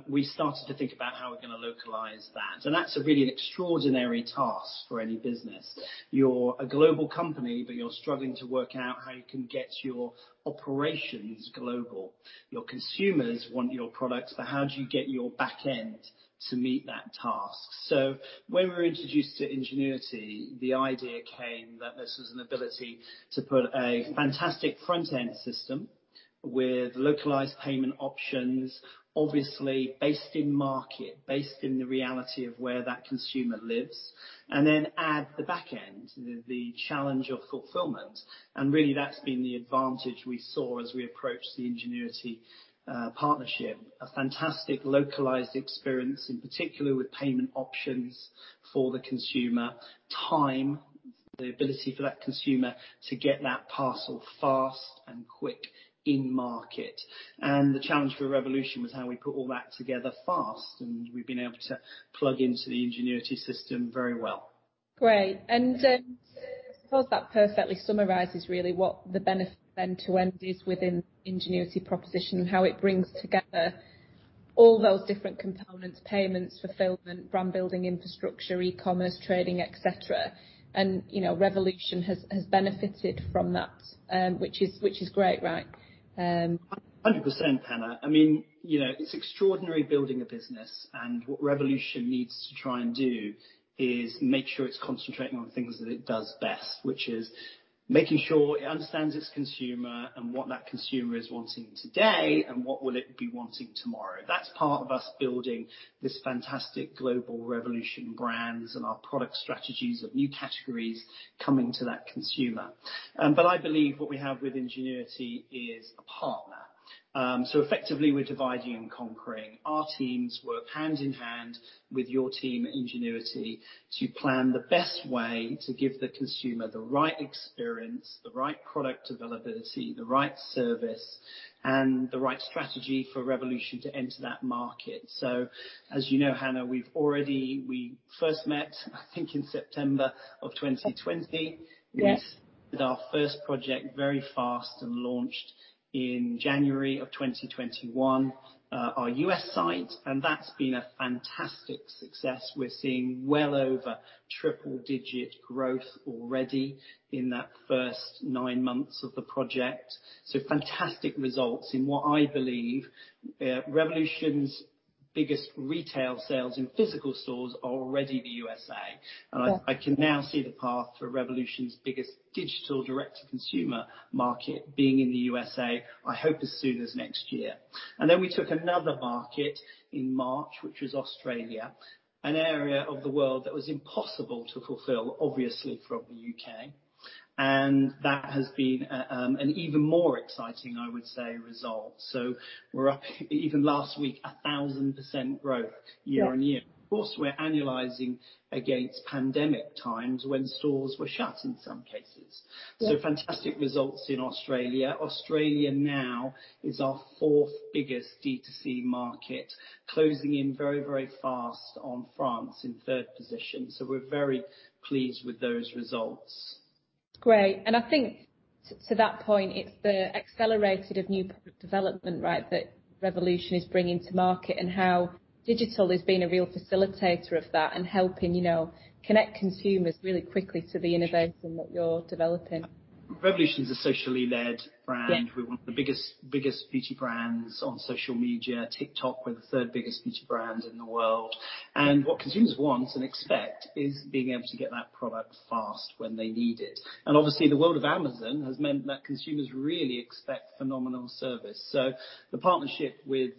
We started to think about how we're going to localize that. That's a really extraordinary task for any business. You're a global company, but you're struggling to work out how you can get your operations global. Your consumers want your products, but how do you get your back end to meet that task? When we were introduced to Ingenuity, the idea came that this was an ability to put a fantastic front-end system with localized payment options, obviously based in market, based in the reality of where that consumer lives, and then add the back end, the challenge of fulfillment, and really that's been the advantage we saw as we approached the Ingenuity partnership. A fantastic localized experience, in particular with payment options for the consumer, time, the ability for that consumer to get that parcel fast and quick in market. The challenge for Revolution was how we put all that together fast, and we've been able to plug into the Ingenuity system very well. Great. I suppose that perfectly summarizes really what the benefit end-to-end is within Ingenuity proposition and how it brings together all those different components, payments, fulfillment, brand building, infrastructure, e-commerce, trading, et cetera. Revolution has benefited from that, which is great, right? 100%, Hannah. It's extraordinary building a business. What Revolution needs to try and do is make sure it's concentrating on things that it does best, which is making sure it understands its consumer and what that consumer is wanting today and what will it be wanting tomorrow. That's part of us building this fantastic global Revolution brands and our product strategies of new categories coming to that consumer. I believe what we have with Ingenuity is a partner. Effectively, we're dividing and conquering. Our teams work hand-in-hand with your team at Ingenuity to plan the best way to give the consumer the right experience, the right product availability, the right service, and the right strategy for Revolution to enter that market. As you know, Hannah, we first met, I think, in September 2020. Yes. We did our first project very fast and launched in January 2021, our U.S. site, and that's been a fantastic success. We're seeing well over triple-digit growth already in that first 9 months of the project. Fantastic results in what I believe, Revolution's biggest retail sales in physical stores are already the U.S. Yeah. I can now see the path for Revolution's biggest digital direct-to-consumer market being in the U.S.A., I hope as soon as next year. We took another market in March, which was Australia, an area of the world that was impossible to fulfill, obviously, from the U.K. That has been an even more exciting, I would say, result. We're up, even last week, 1,000% growth year on year. Yeah. Of course, we're annualizing against pandemic times when stores were shut in some cases. Yeah. Fantastic results in Australia. Australia now is our fourth biggest D2C market, closing in very, very fast on France in third position. We're very pleased with those results. Great. I think to that point, it's the accelerated of new product development, right, that Revolution is bringing to market and how digital has been a real facilitator of that and helping connect consumers really quickly to the innovation that you're developing. Revolution's a socially led brand. Yeah. We are one of the biggest beauty brands on social media. TikTok, we are the third biggest beauty brand in the world. What consumers want and expect is being able to get that product fast when they need it. Obviously the world of Amazon has meant that consumers really expect phenomenal service. The partnership with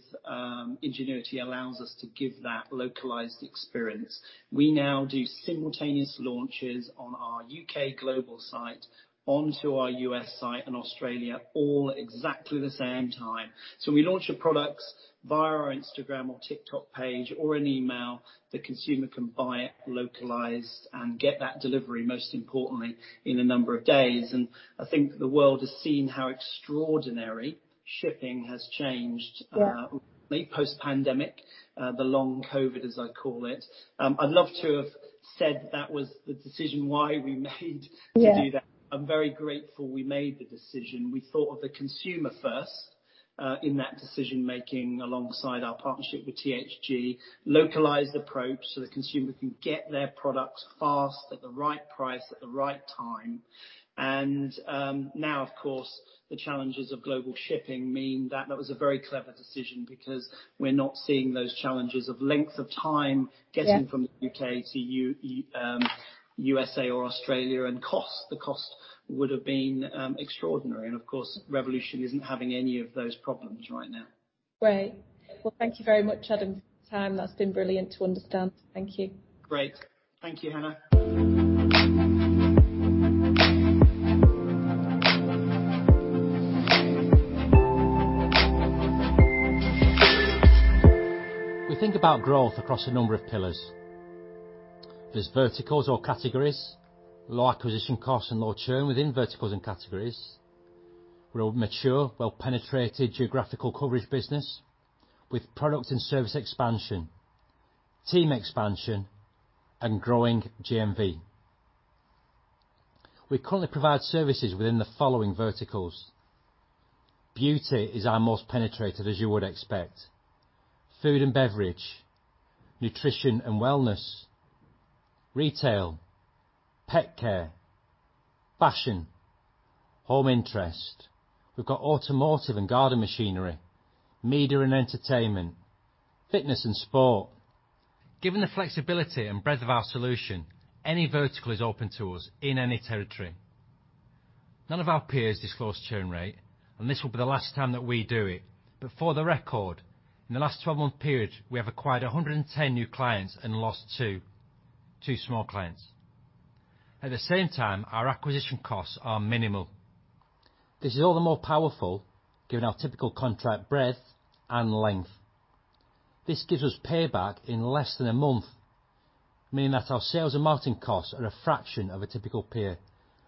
Ingenuity allows us to give that localized experience. We now do simultaneous launches on our U.K. global site onto our U.S. site and Australia all exactly the same time. When we launch a product via our Instagram or TikTok page or an email, the consumer can buy it localized and get that delivery, most importantly, in a number of days. I think the world has seen how extraordinary shipping has changed. Yeah Post-pandemic. The long COVID, as I call it. I'd love to have said that was the decision why we made Yeah to do that. I'm very grateful we made the decision. We thought of the consumer first in that decision-making, alongside our partnership with THG, localized approach so the consumer can get their products fast, at the right price, at the right time. Now, of course, the challenges of global shipping mean that that was a very clever decision because we're not seeing those challenges of length of time. Yeah from the U.K. to U.S.A. or Australia, cost. The cost would've been extraordinary. Of course, Revolution isn't having any of those problems right now. Great. Well, thank you very much, Adam, for your time. That has been brilliant to understand. Thank you. Great. Thank you, Hannah. We think about growth across a number of pillars. There's verticals or categories, low acquisition cost and low churn within verticals and categories, real mature, well-penetrated geographical coverage business with product and service expansion, team expansion, and growing GMV. We currently provide services within the following verticals. Beauty is our most penetrated, as you would expect. Food and beverage, nutrition and wellness, Retail, pet care, Fashion, home interest. We've got automotive and garden machinery, media and entertainment, fitness and sport. Given the flexibility and breadth of our solution, any vertical is open to us in any territory. None of our peers disclose churn rate, and this will be the last time that we do it. For the record, in the last 12-month period, we have acquired 110 new clients and lost 2 small clients. At the same time, our acquisition costs are minimal. This is all the more powerful given our typical contract breadth and length. This gives us payback in less than a month, meaning that our sales and marketing costs are a fraction of a typical peer,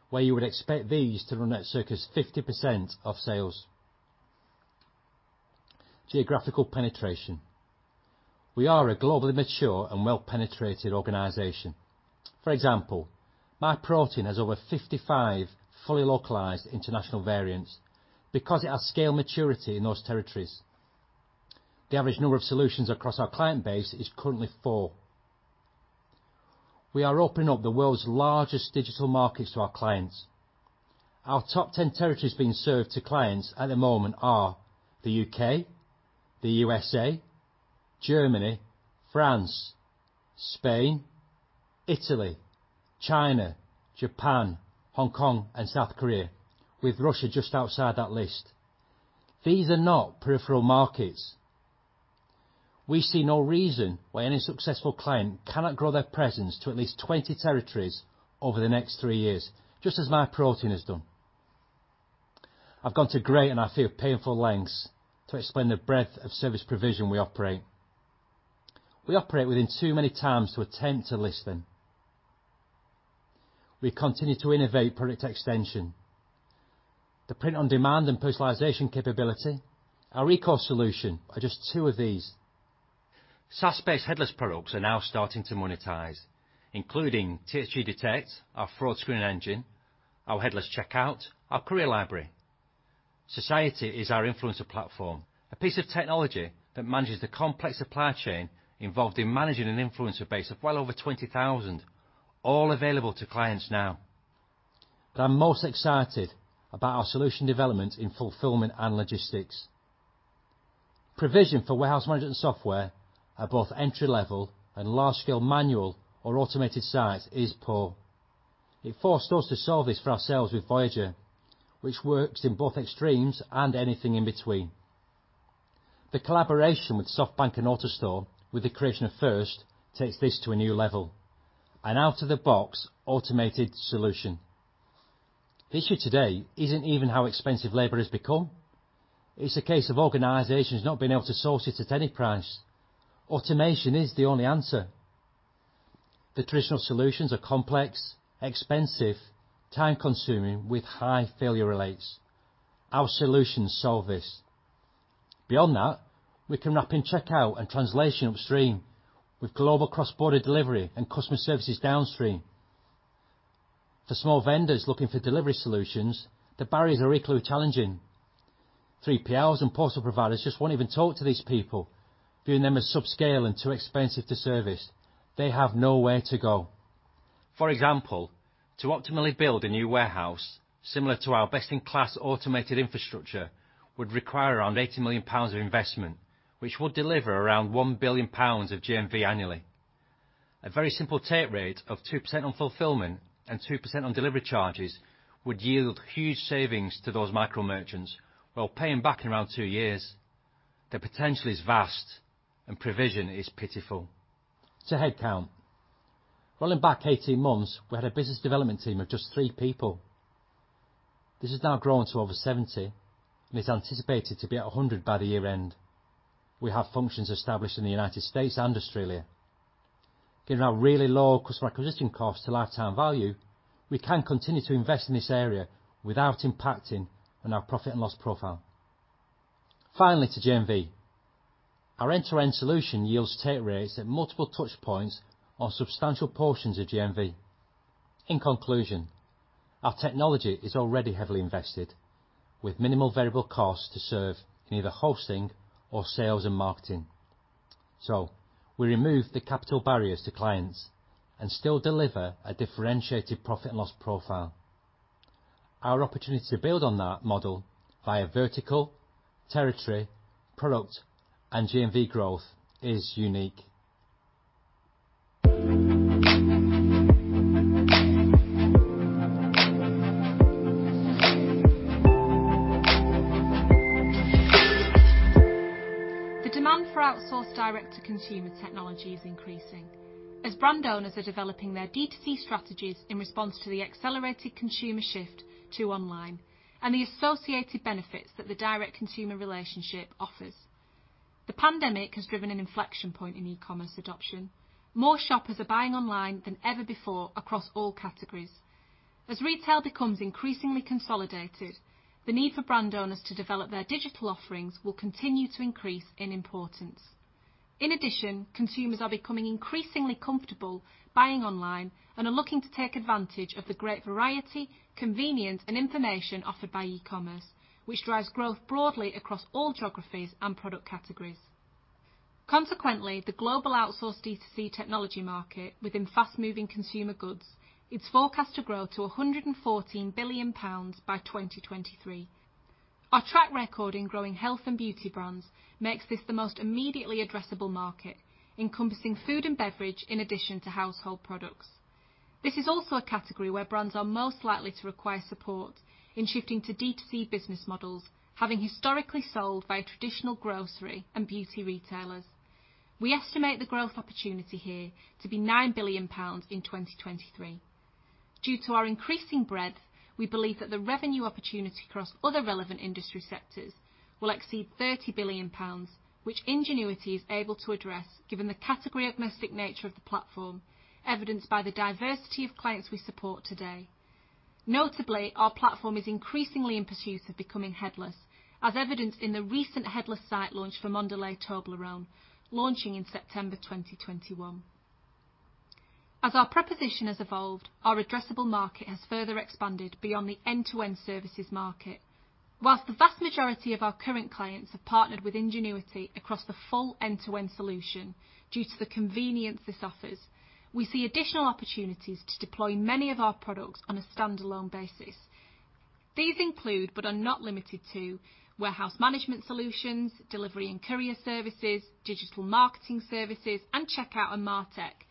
where you would expect these to run at circa 50% of sales. Geographical penetration. We are a globally mature and well-penetrated organization. For example, Myprotein has over 55 fully localized international variants because it has scale maturity in those territories. The average number of solutions across our client base is currently four. We are opening up the world's largest digital markets to our clients. Our top 10 territories being served to clients at the moment are the U.K., the U.S.A., Germany, France, Spain, Italy, China, Japan, Hong Kong, and South Korea, with Russia just outside that list. These are not peripheral markets. We see no reason why any successful client cannot grow their presence to at least 20 territories over the next three years, just as Myprotein has done. I've gone to great and I feel painful lengths to explain the breadth of service provision we operate. We operate within too many times to attempt to list them. We continue to innovate product extension. The print on demand and personalization capability, our eCall solution are just two of these. SaaS-based headless products are now starting to monetize, including THG Detect, our fraud screening engine, our headless checkout, our courier library. THG Society is our influencer platform, a piece of technology that manages the complex supply chain involved in managing an influencer base of well over 20,000, all available to clients now. I'm most excited about our solution development in fulfillment and logistics. Provision for warehouse management software at both entry level and large-scale manual or automated site is poor. It forced us to solve this for ourselves with Voyager, which works in both extremes and anything in between. The collaboration with SoftBank and AutoStore with the creation of FIRST takes this to a new level, an out-of-the-box automated solution. The issue today isn't even how expensive labor has become. It's a case of organizations not being able to source it at any price. Automation is the only answer. The traditional solutions are complex, expensive, time-consuming with high failure rates. Our solutions solve this. Beyond that, we can wrap in checkout and translation upstream with global cross-border delivery and customer services downstream. For small vendors looking for delivery solutions, the barriers are equally challenging. 3PLs and postal providers just won't even talk to these people, viewing them as subscale and too expensive to service. They have nowhere to go. For example, to optimally build a new warehouse similar to our best-in-class automated infrastructure would require around 80 million pounds of investment, which would deliver around 1 billion pounds of GMV annually. A very simple take rate of 2% on fulfillment and 2% on delivery charges would yield huge savings to those micro merchants while paying back in around two years. The potential is vast and provision is pitiful. To headcount. Rolling back 18 months, we had a business development team of just three people. This has now grown to over 70 and is anticipated to be at 100 by the year-end. We have functions established in the U.S. and Australia. Given our really low customer acquisition costs to lifetime value, we can continue to invest in this area without impacting on our profit and loss profile. Finally, to GMV. Our end-to-end solution yields take rates at multiple touch points on substantial portions of GMV. In conclusion, our technology is already heavily invested, with minimal variable costs to serve in either hosting or sales and marketing. We remove the capital barriers to clients and still deliver a differentiated profit and loss profile. Our opportunity to build on that model via vertical, territory, product, and GMV growth is unique. The demand for outsourced direct-to-consumer technology is increasing as brand owners are developing their D2C strategies in response to the accelerated consumer shift to online and the associated benefits that the direct consumer relationship offers. The pandemic has driven an inflection point in e-commerce adoption. More shoppers are buying online than ever before across all categories. As retail becomes increasingly consolidated, the need for brand owners to develop their digital offerings will continue to increase in importance. In addition, consumers are becoming increasingly comfortable buying online and are looking to take advantage of the great variety, convenience, and information offered by e-commerce, which drives growth broadly across all geographies and product categories. Consequently, the global outsourced D2C technology market within fast-moving consumer goods is forecast to grow to 114 billion pounds by 2023. Our track record in growing health and beauty brands makes this the most immediately addressable market, encompassing food and beverage in addition to household products. This is also a category where brands are most likely to require support in shifting to D2C business models, having historically sold by traditional grocery and beauty retailers. We estimate the growth opportunity here to be 9 billion pounds in 2023. Due to our increasing breadth, we believe that the revenue opportunity across other relevant industry sectors will exceed 30 billion pounds, which Ingenuity is able to address given the category-agnostic nature of the platform, evidenced by the diversity of clients we support today. Notably, our platform is increasingly in pursuit of becoming headless, as evidenced in the recent headless site launch for Mondelez Toblerone, launching in September 2021. As our proposition has evolved, our addressable market has further expanded beyond the end-to-end services market. Whilst the vast majority of our current clients have partnered with Ingenuity across the full end-to-end solution due to the convenience this offers, we see additional opportunities to deploy many of our products on a standalone basis. These include, but are not limited to, warehouse management solutions, delivery and courier services, digital marketing services, and checkout and MarTech.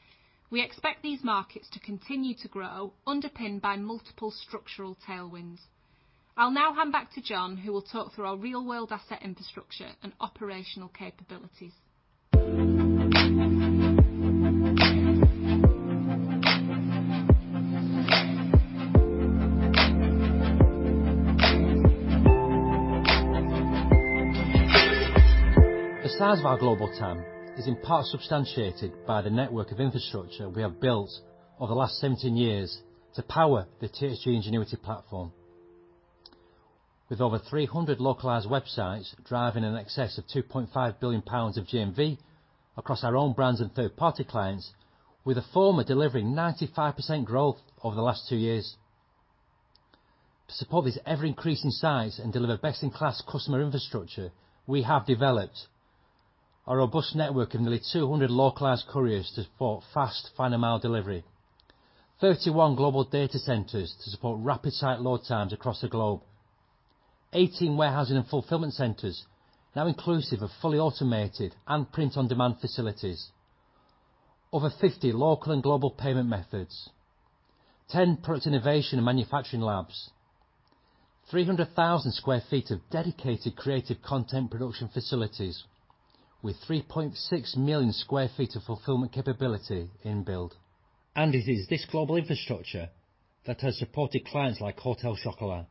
We expect these markets to continue to grow, underpinned by multiple structural tailwinds. I'll now hand back to John, who will talk through our real-world asset infrastructure and operational capabilities. The size of our global TAM is in part substantiated by the network of infrastructure we have built over the last 17 years to power the THG Ingenuity platform. With over 300 localized websites driving in excess of 2.5 billion pounds of GMV across our own brands and third-party clients, with the former delivering 95% growth over the last two years. To support this ever-increasing size and deliver best-in-class customer infrastructure, we have developed a robust network of nearly 200 localized couriers to support fast final mile delivery, 31 global data centers to support rapid site load times across the globe, 18 warehousing and fulfillment centers, now inclusive of fully automated and print-on-demand facilities, over 50 local and global payment methods, 10 product innovation and manufacturing labs, 300,000 sq ft of dedicated creative content production facilities with 3.6 million sq ft of fulfillment capability in build. It is this global infrastructure that has supported clients like Hotel Chocolat,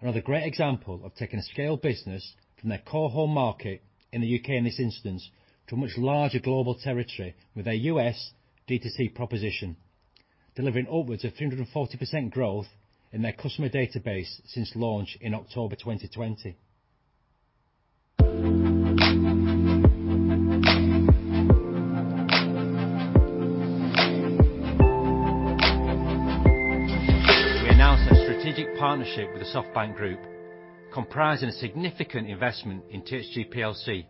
another great example of taking a scale business from their core home market in the U.K. in this instance, to a much larger global territory with a U.S. D2C proposition, delivering upwards of 340% growth in their customer database since launch in October 2020. We announced a strategic partnership with the SoftBank Group, comprising a significant investment in THG PLC,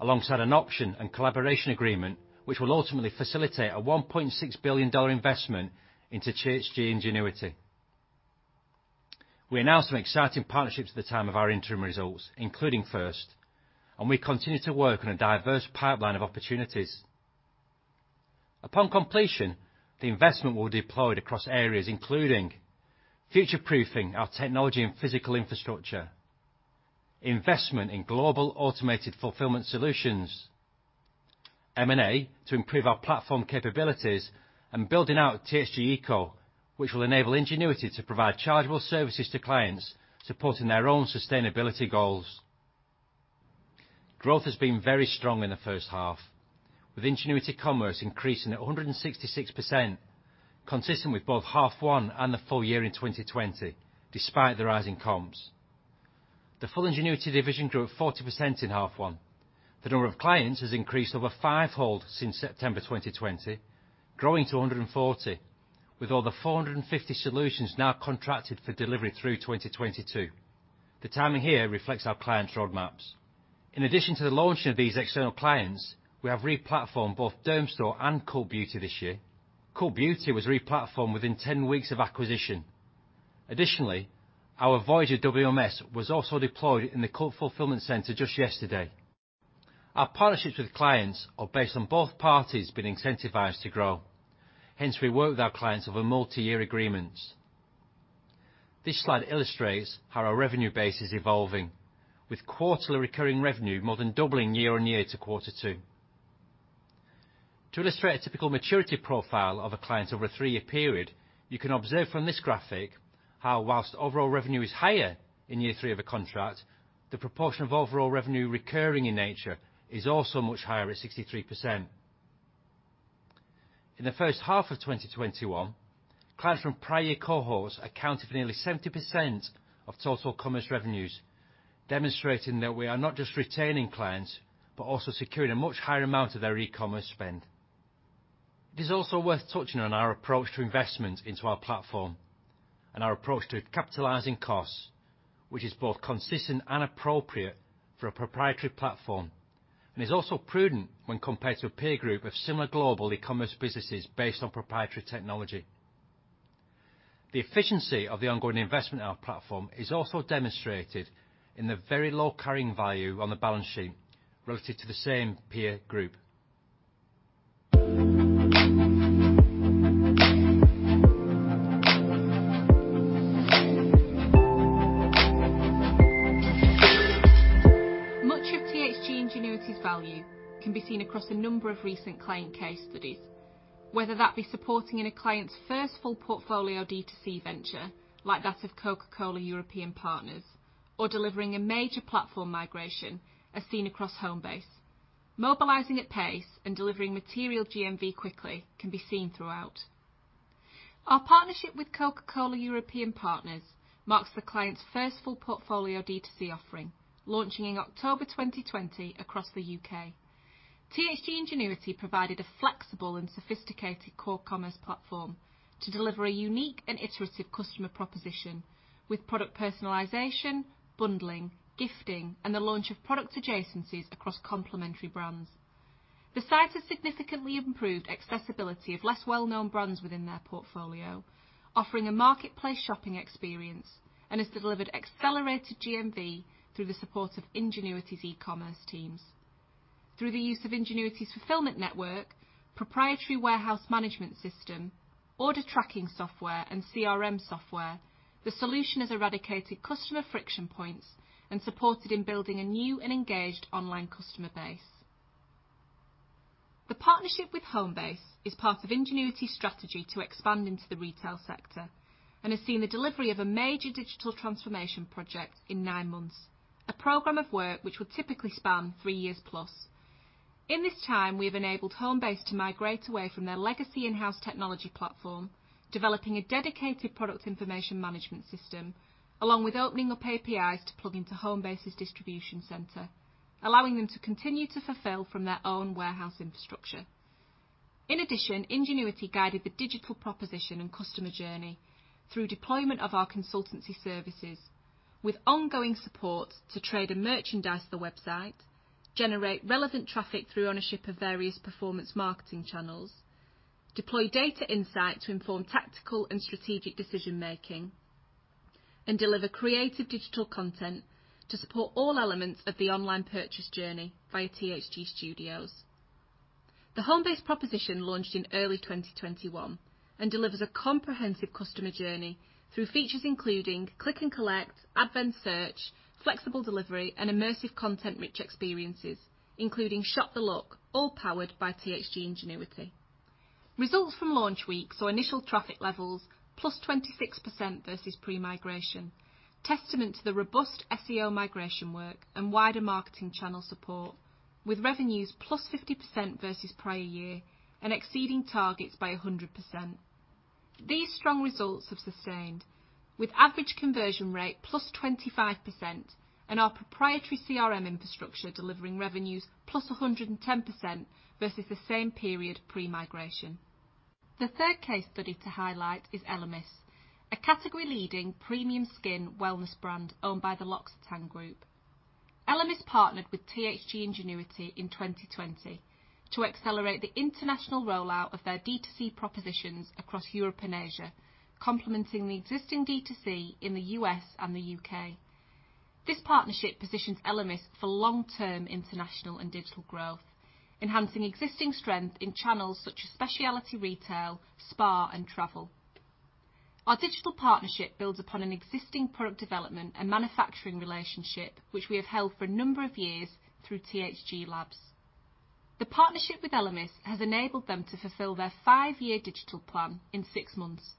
alongside an option and collaboration agreement, which will ultimately facilitate a GBP 1.6 billion investment into THG Ingenuity. We announced some exciting partnerships at the time of our interim results, including FIRST, and we continue to work on a diverse pipeline of opportunities. Upon completion, the investment will be deployed across areas including future-proofing our technology and physical infrastructure, investment in global automated fulfillment solutions, M&A to improve our platform capabilities, and building out THG Eco, which will enable Ingenuity to provide chargeable services to clients supporting their own sustainability goals. Growth has been very strong in the first half, with Ingenuity Commerce increasing at 166%, consistent with both 0.5 year And the full year in 2020, despite the rising comps. The full Ingenuity division grew at 40% in half year. The number of clients has increased over 5-fold since September 2020, growing to 140, with over 450 solutions now contracted for delivery through 2022. The timing here reflects our clients' roadmaps. In addition to the launch of these external clients, we have re-platformed both Dermstore and Cult Beauty this year. Cult Beauty was re-platformed within 10 weeks of acquisition. Additionally, our Voyager WMS was also deployed in the Cult fulfillment center just yesterday. Our partnerships with clients are based on both parties being incentivized to grow. We work with our clients over multi-year agreements. This slide illustrates how our revenue base is evolving, with quarterly recurring revenue more than doubling year-over-year to quarter two. To illustrate a typical maturity profile of a client over a 3-year period, you can observe from this graphic how while overall revenue is higher in year three of a contract, the proportion of overall revenue recurring in nature is also much higher at 63%. In the first half of 2021, clients from prior year cohorts accounted for nearly 70% of total commerce revenues, demonstrating that we are not just retaining clients, but also securing a much higher amount of their e-commerce spend. It is also worth touching on our approach to investment into our platform and our approach to capitalizing costs, which is both consistent and appropriate for a proprietary platform, and is also prudent when compared to a peer group of similar global e-commerce businesses based on proprietary technology. The efficiency of the ongoing investment in our platform is also demonstrated in the very low carrying value on the balance sheet relative to the same peer group. Much of THG Ingenuity's value can be seen across a number of recent client case studies. Whether that be supporting in a client's first full portfolio D2C venture, like that of Coca-Cola European Partners, or delivering a major platform migration as seen across Homebase. Mobilizing at pace and delivering material GMV quickly can be seen throughout. Our partnership with Coca-Cola European Partners marks the client's first full portfolio D2C offering, launching in October 2020 across the U.K. THG Ingenuity provided a flexible and sophisticated core commerce platform to deliver a unique and iterative customer proposition with product personalization, bundling, gifting, and the launch of product adjacencies across complementary brands. The site has significantly improved accessibility of less well-known brands within their portfolio, offering a marketplace shopping experience, and has delivered accelerated GMV through the support of Ingenuity's e-commerce teams. Through the use of Ingenuity's fulfillment network, proprietary warehouse management system, order tracking software, and CRM software, the solution has eradicated customer friction points and supported in building a new and engaged online customer base. The partnership with Homebase is part of Ingenuity's strategy to expand into the retail sector and has seen the delivery of a major digital transformation project in 9 months, a program of work which would typically span 3 years plus. In this time, we have enabled Homebase to migrate away from their legacy in-house technology platform, developing a dedicated product information management system, along with opening up APIs to plug into Homebase's distribution center, allowing them to continue to fulfill from their own warehouse infrastructure. In addition, Ingenuity guided the digital proposition and customer journey through deployment of our consultancy services with ongoing support to trade and merchandise the website, generate relevant traffic through ownership of various performance marketing channels, deploy data insight to inform tactical and strategic decision-making, and deliver creative digital content to support all elements of the online purchase journey via THG Studios. The Homebase proposition launched in early 2021 and delivers a comprehensive customer journey through features including click and collect, advanced search, flexible delivery, and immersive content-rich experiences, including Shop The Look, all powered by THG Ingenuity. Results from launch week saw initial traffic levels, +26% versus pre-migration, testament to the robust SEO migration work and wider marketing channel support, with revenues +50% versus prior year and exceeding targets by 100%. These strong results have sustained with average conversion rate +25% and our proprietary CRM infrastructure delivering revenues +110% versus the same period pre-migration. The third case study to highlight is Elemis, a category leading premium skin wellness brand owned by the L'Occitane Group. Elemis partnered with THG Ingenuity in 2020 to accelerate the international rollout of their D2C propositions across Europe and Asia, complementing the existing D2C in the U.S. and the U.K. This partnership positions Elemis for long-term international and digital growth, enhancing existing strength in channels such as specialty retail, spa, and travel. Our digital partnership builds upon an existing product development and manufacturing relationship which we have held for a number of years through THG Labs. The partnership with Elemis has enabled them to fulfill their five-year digital plan in six months,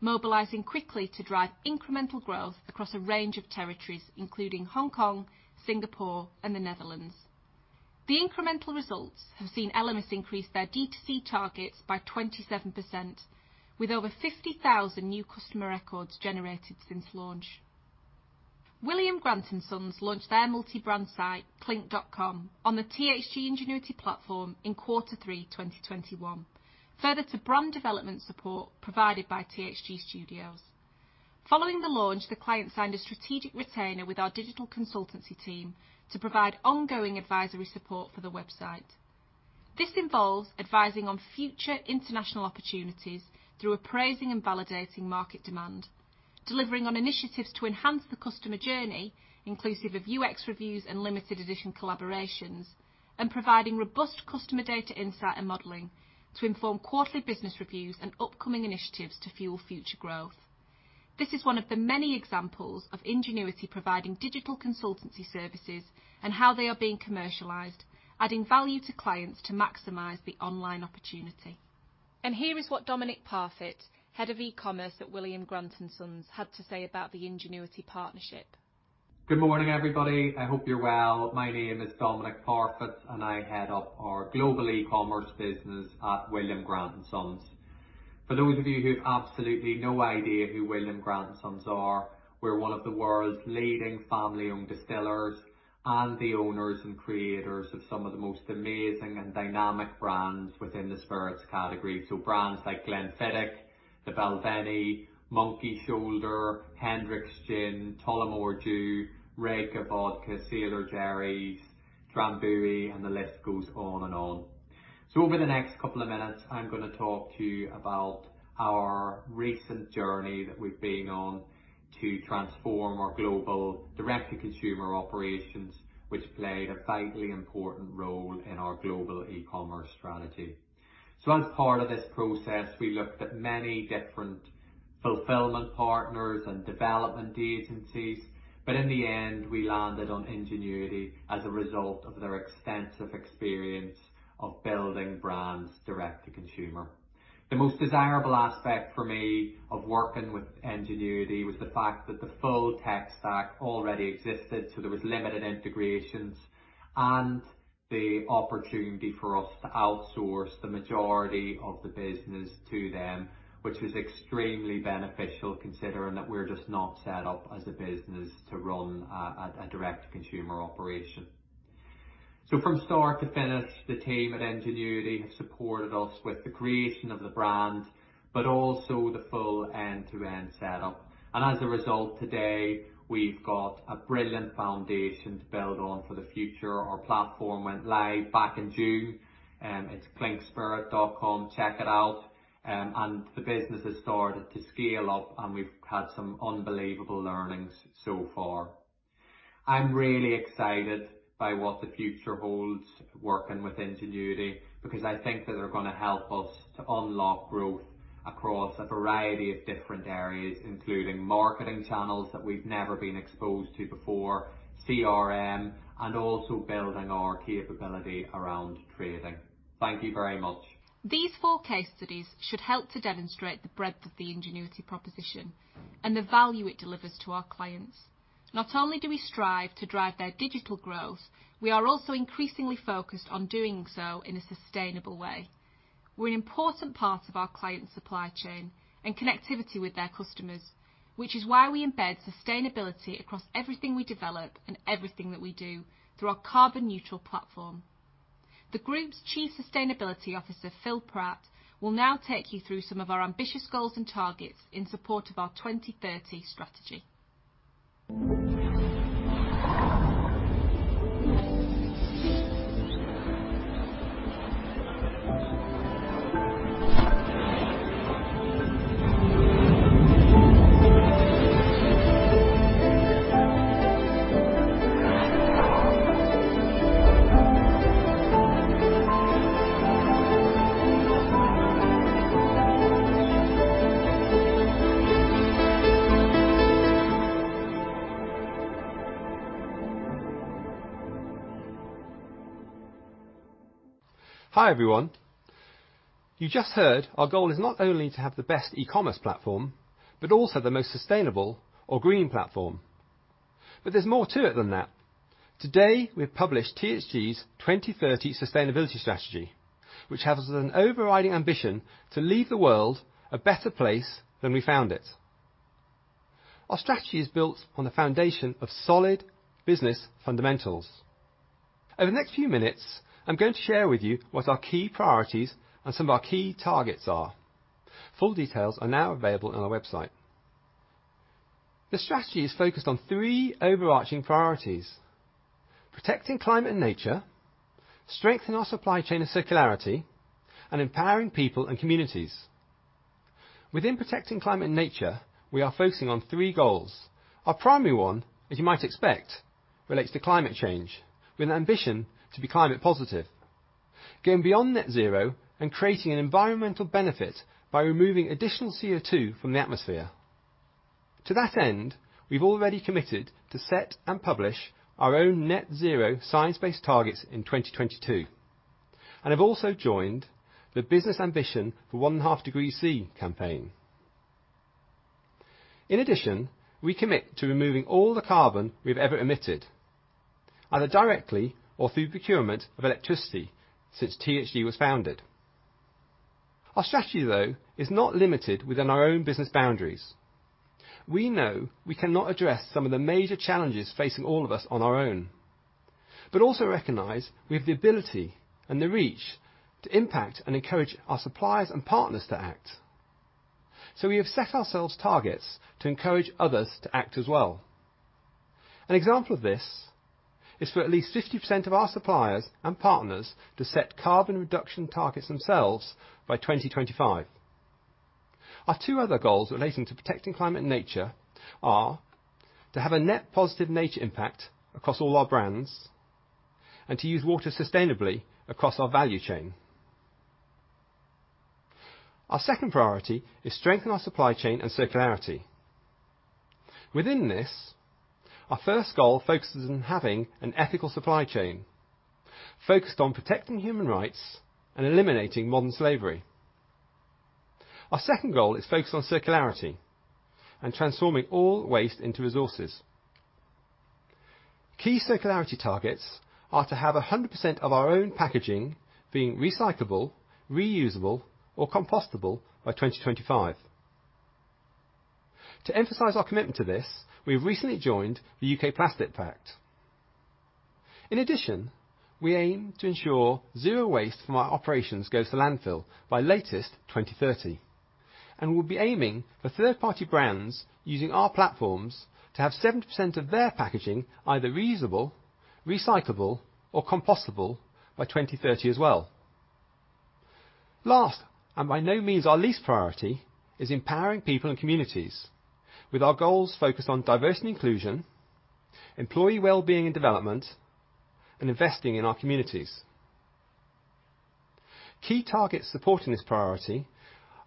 mobilizing quickly to drive incremental growth across a range of territories, including Hong Kong, Singapore, and the Netherlands. The incremental results have seen Elemis increase their D2C targets by 27%, with over 50,000 new customer records generated since launch. William Grant & Sons launched their multi-brand site, clink.com, on the THG Ingenuity platform in quarter three 2021, further to brand development support provided by THG Studios. Following the launch, the client signed a strategic retainer with our digital consultancy team to provide ongoing advisory support for the website. This involves advising on future international opportunities through appraising and validating market demand, delivering on initiatives to enhance the customer journey, inclusive of UX reviews and limited edition collaborations, and providing robust customer data insight and modeling to inform quarterly business reviews and upcoming initiatives to fuel future growth. This is one of the many examples of Ingenuity providing digital consultancy services and how they are being commercialized, adding value to clients to maximize the online opportunity. And here is what Dominic Parfitt, head of e-commerce at William Grant & Sons, had to say about the Ingenuity partnership. Good morning, everybody. I hope you're well. My name is Dominic Parfitt, and I head up our global e-commerce business at William Grant & Sons. For those of you who have absolutely no idea who William Grant & Sons are, we're one of the world's leading family-owned distillers and the owners and creators of some of the most amazing and dynamic brands within the spirits category. Brands like Glenfiddich, The Balvenie, Monkey Shoulder, Hendrick's Gin, Tullamore D.E.W., Reyka Vodka, Sailor Jerry, Drambuie, and the list goes on and on. Over the next couple of minutes, I'm going to talk to you about our recent journey that we've been on to transform our global direct-to-consumer operations, which played a vitally important role in our global e-commerce strategy. As part of this process, we looked at many different fulfillment partners and development agencies, but in the end, we landed on Ingenuity as a result of their extensive experience of building brands direct to consumer. The most desirable aspect for me of working with Ingenuity was the fact that the full tech stack already existed, there was limited integrations and the opportunity for us to outsource the majority of the business to them, which was extremely beneficial considering that we're just not set up as a business to run a direct-to-consumer operation. From start to finish, the team at Ingenuity have supported us with the creation of the brand, but also the full end-to-end setup. As a result, today, we've got a brilliant foundation to build on for the future. Our platform went live back in June, it's Clink. Check it out. The business has started to scale up, and we've had some unbelievable earnings so far. I'm really excited by what the future holds working with Ingenuity, because I think that they're going to help us to unlock growth across a variety of different areas, including marketing channels that we've never been exposed to before, CRM, and also building our capability around trading. Thank you very much. These four case studies should help to demonstrate the breadth of the Ingenuity proposition and the value it delivers to our clients. Not only do we strive to drive their digital growth, we are also increasingly focused on doing so in a sustainable way. We're an important part of our clients' supply chain and connectivity with their customers, which is why we embed sustainability across everything we develop and everything that we do through our carbon neutral platform. The Group's Chief Sustainability Officer, Mark Flook, will now take you through some of our ambitious goals and targets in support of our 2030 strategy. Hi, everyone. You just heard our goal is not only to have the best e-commerce platform, but also the most sustainable or green platform. There's more to it than that. Today, we've published THG's 2030 Sustainability Strategy, which has an overriding ambition to leave the world a better place than we found it. Our strategy is built on the foundation of solid business fundamentals. Over the next few minutes, I'm going to share with you what our key priorities and some of our key targets are. Full details are now available on our website. The strategy is focused on three overarching priorities: protecting climate and nature, strengthen our supply chain and circularity, and empowering people and communities. Within protecting climate and nature, we are focusing on three goals. Our primary one, as you might expect, relates to climate change, with an ambition to be climate positive, going beyond net zero and creating an environmental benefit by removing additional CO2 from the atmosphere. To that end, we have already committed to set and publish our own net zero science-based targets in 2022, and have also joined the Business Ambition for 1.5°C campaign. In addition, we commit to removing all the carbon we have ever emitted, either directly or through procurement of electricity since THG was founded. Our strategy, though, is not limited within our own business boundaries. We know we cannot address some of the major challenges facing all of us on our own, but also recognize we have the ability and the reach to impact and encourage our suppliers and partners to act. We have set ourselves targets to encourage others to act as well. An example of this is for at least 50% of our suppliers and partners to set carbon reduction targets themselves by 2025. Our two other goals relating to protecting climate and nature are to have a net positive nature impact across all our brands and to use water sustainably across our value chain. Our second priority is strengthen our supply chain and circularity. Within this, our first goal focuses on having an ethical supply chain focused on protecting human rights and eliminating modern slavery. Our second goal is focused on circularity and transforming all waste into resources. Key circularity targets are to have 100% of our own packaging being recyclable, reusable, or compostable by 2025. To emphasize our commitment to this, we've recently joined The UK Plastics Pact. In addition, we aim to ensure zero waste from our operations goes to landfill by latest 2030, and we'll be aiming for third-party brands using our platforms to have 70% of their packaging either reusable, recyclable, or compostable by 2030 as well. Last, and by no means our least priority, is empowering people and communities with our goals focused on diversity and inclusion, employee wellbeing and development, and investing in our communities. Key targets supporting this priority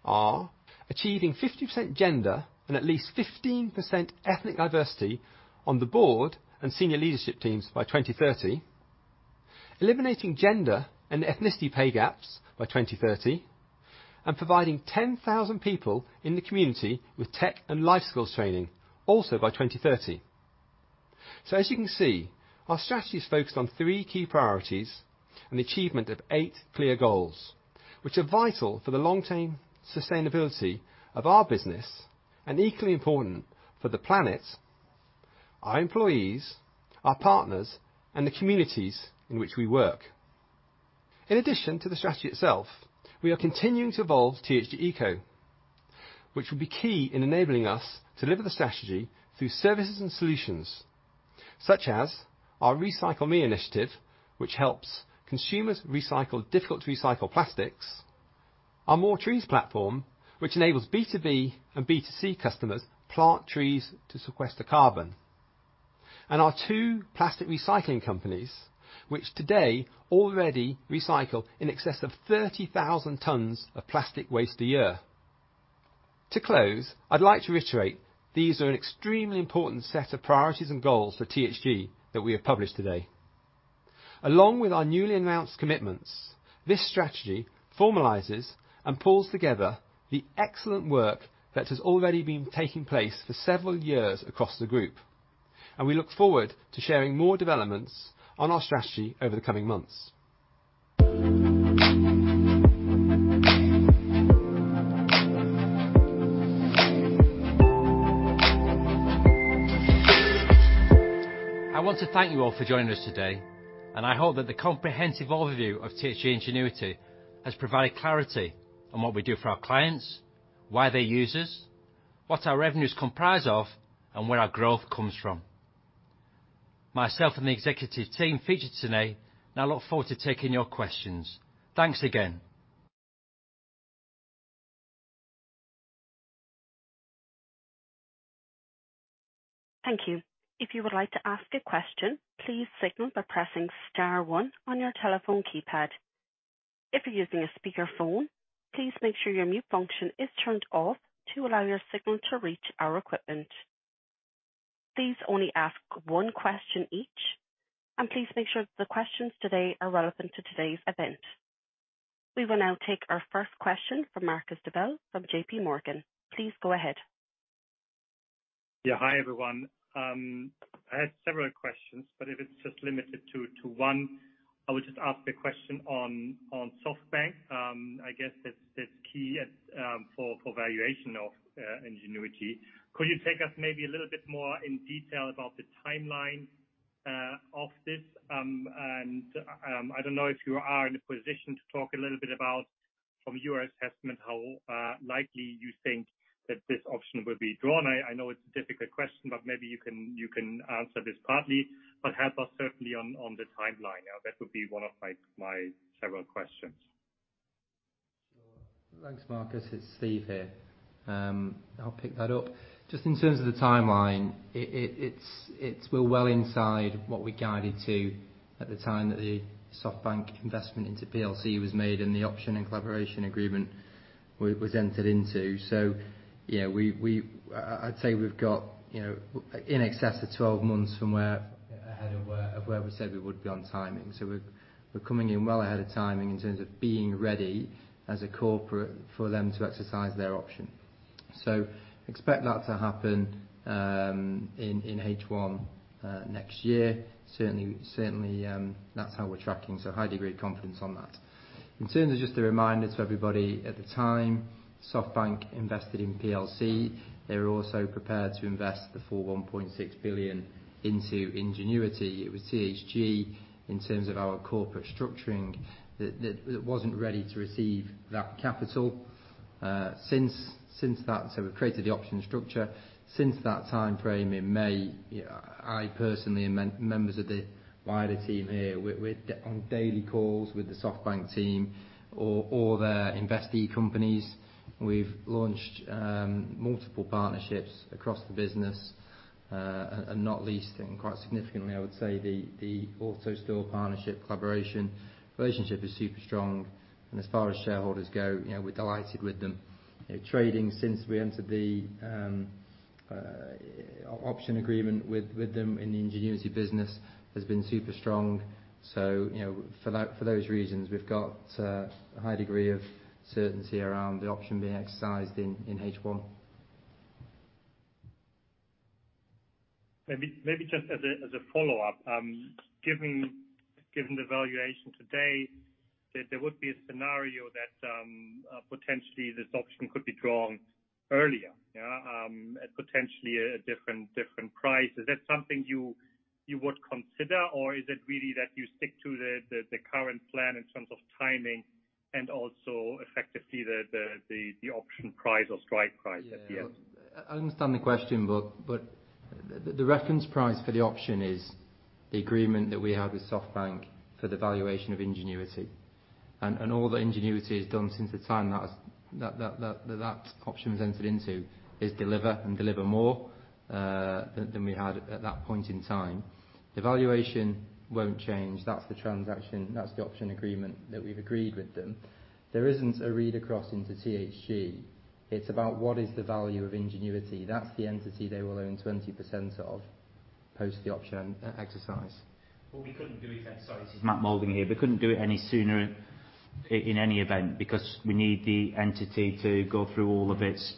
are achieving 50% gender and at least 15% ethnic diversity on the board and senior leadership teams by 2030, eliminating gender and ethnicity pay gaps by 2030, and providing 10,000 people in the community with tech and life skills training also by 2030. As you can see, our strategy is focused on three key priorities and the achievement of eight clear goals, which are vital for the long-term sustainability of our business and equally important for the planet, our employees, our partners, and the communities in which we work. In addition to the strategy itself, we are continuing to evolve THG Eco, which will be key in enabling us to deliver the strategy through services and solutions, such as our recycle:me initiative, which helps consumers recycle difficult-to-recycle plastics; our More Trees platform, which enables B2B and B2C customers plant trees to sequester carbon; and our two plastic recycling companies, which today already recycle in excess of 30,000 tons of plastic waste a year. To close, I'd like to reiterate these are an extremely important set of priorities and goals for THG that we have published today. Along with our newly announced commitments, this strategy formalizes and pulls together the excellent work that has already been taking place for several years across the group, and we look forward to sharing more developments on our strategy over the coming months. I want to thank you all for joining us today, and I hope that the comprehensive overview of THG Ingenuity has provided clarity on what we do for our clients, why they use us, what our revenues comprise of, and where our growth comes from. Myself and the executive team featured today now look forward to taking your questions. Thanks again. Thank you. If you would like to ask a question, please signal by pressing star one on your telephone keypad. If you're using a speakerphone, please make sure your mute function is turned off to allow your signal to reach our equipment. Please only ask one question each, and please make sure that the questions today are relevant to today's event. We will now take our first question from Marcus Diebel from JP Morgan. Please go ahead. Yeah. Hi, everyone. I had several questions, but if it's just limited to one, I would just ask the question on SoftBank. I guess that's key for valuation of Ingenuity. Could you take us maybe a little bit more in detail about the timeline of this? I don't know if you are in a position to talk a little bit about, from your assessment, how likely you think that this option will be drawn. I know it's a difficult question, maybe you can answer this partly, but help us certainly on the timeline. That would be one of my several questions. Sure. Thanks, Marcus. It's Steve here. I'll pick that up. In terms of the timeline, it's well inside what we guided to at the time that the SoftBank investment into PLC was made and the option and collaboration agreement was entered into. I'd say we've got in excess of 12 months from ahead of where we said we would be on timing. We're coming in well ahead of timing in terms of being ready as a corporate for them to exercise their option. Expect that to happen in H1 next year. Certainly, that's how we're tracking, so a high degree of confidence on that. In terms of just a reminder to everybody, at the time, SoftBank invested in PLC. They were also prepared to invest the full 1.6 billion into Ingenuity. It was THG, in terms of our corporate structuring, that wasn't ready to receive that capital. We've created the option structure. Since that time frame in May, I personally and members of the wider team here, we're on daily calls with the SoftBank team or their investee companies. We've launched multiple partnerships across the business, and not least, and quite significantly, I would say, the AutoStore partnership collaboration. Relationship is super strong. As far as shareholders go, we're delighted with them. Trading since we entered the option agreement with them in the Ingenuity business has been super strong. For those reasons, we've got a high degree of certainty around the option being exercised in H1. Maybe just as a follow-up. Given the valuation today, there would be a scenario that potentially this option could be drawn earlier. Yeah? At potentially a different price? Is that something you would consider, or is it really that you stick to the current plan in terms of timing and also effectively the option price or strike price at the end? Yeah. I understand the question, but the reference price for the option is the agreement that we had with SoftBank for the valuation of Ingenuity. All that Ingenuity has done since the time that option was entered into is deliver and deliver more than we had at that point in time. The valuation won't change. That's the transaction. That's the option agreement that we've agreed with them. There isn't a read across into THG. It's about what is the value of Ingenuity. That's the entity they will own 20% of post the option exercise. What we couldn't do is, sorry, this is Matt Moulding here. We couldn't do it any sooner in any event because we need the entity to go through all of its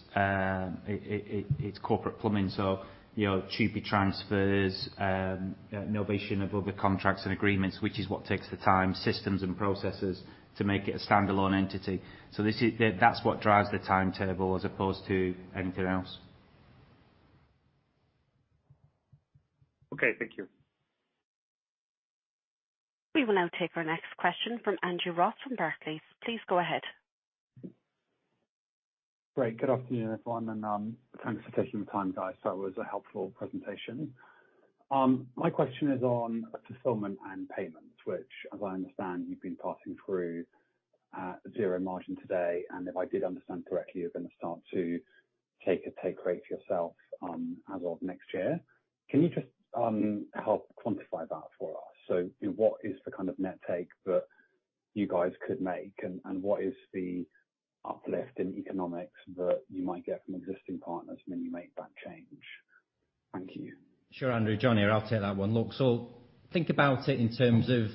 corporate plumbing. TUPE transfers, novation of other contracts and agreements, which is what takes the time, systems, and processes to make it a standalone entity. That's what drives the timetable as opposed to anything else. Okay, thank you. We will now take our next question from Andrew Ross from Barclays. Please go ahead. Great. Good afternoon, everyone. Thanks for taking the time, guys. That was a helpful presentation. My question is on fulfillment and payments, which, as I understand, you've been passing through at zero margin today. If I did understand correctly, you're going to start to take a take rate yourself as of next year. Can you just help quantify that for us? What is the kind of net take that you guys could make and what is the uplift in economics that you might get from existing partners when you make that change? Thank you. Sure, Andrew. John here. I'll take that one. Look, think about it in terms of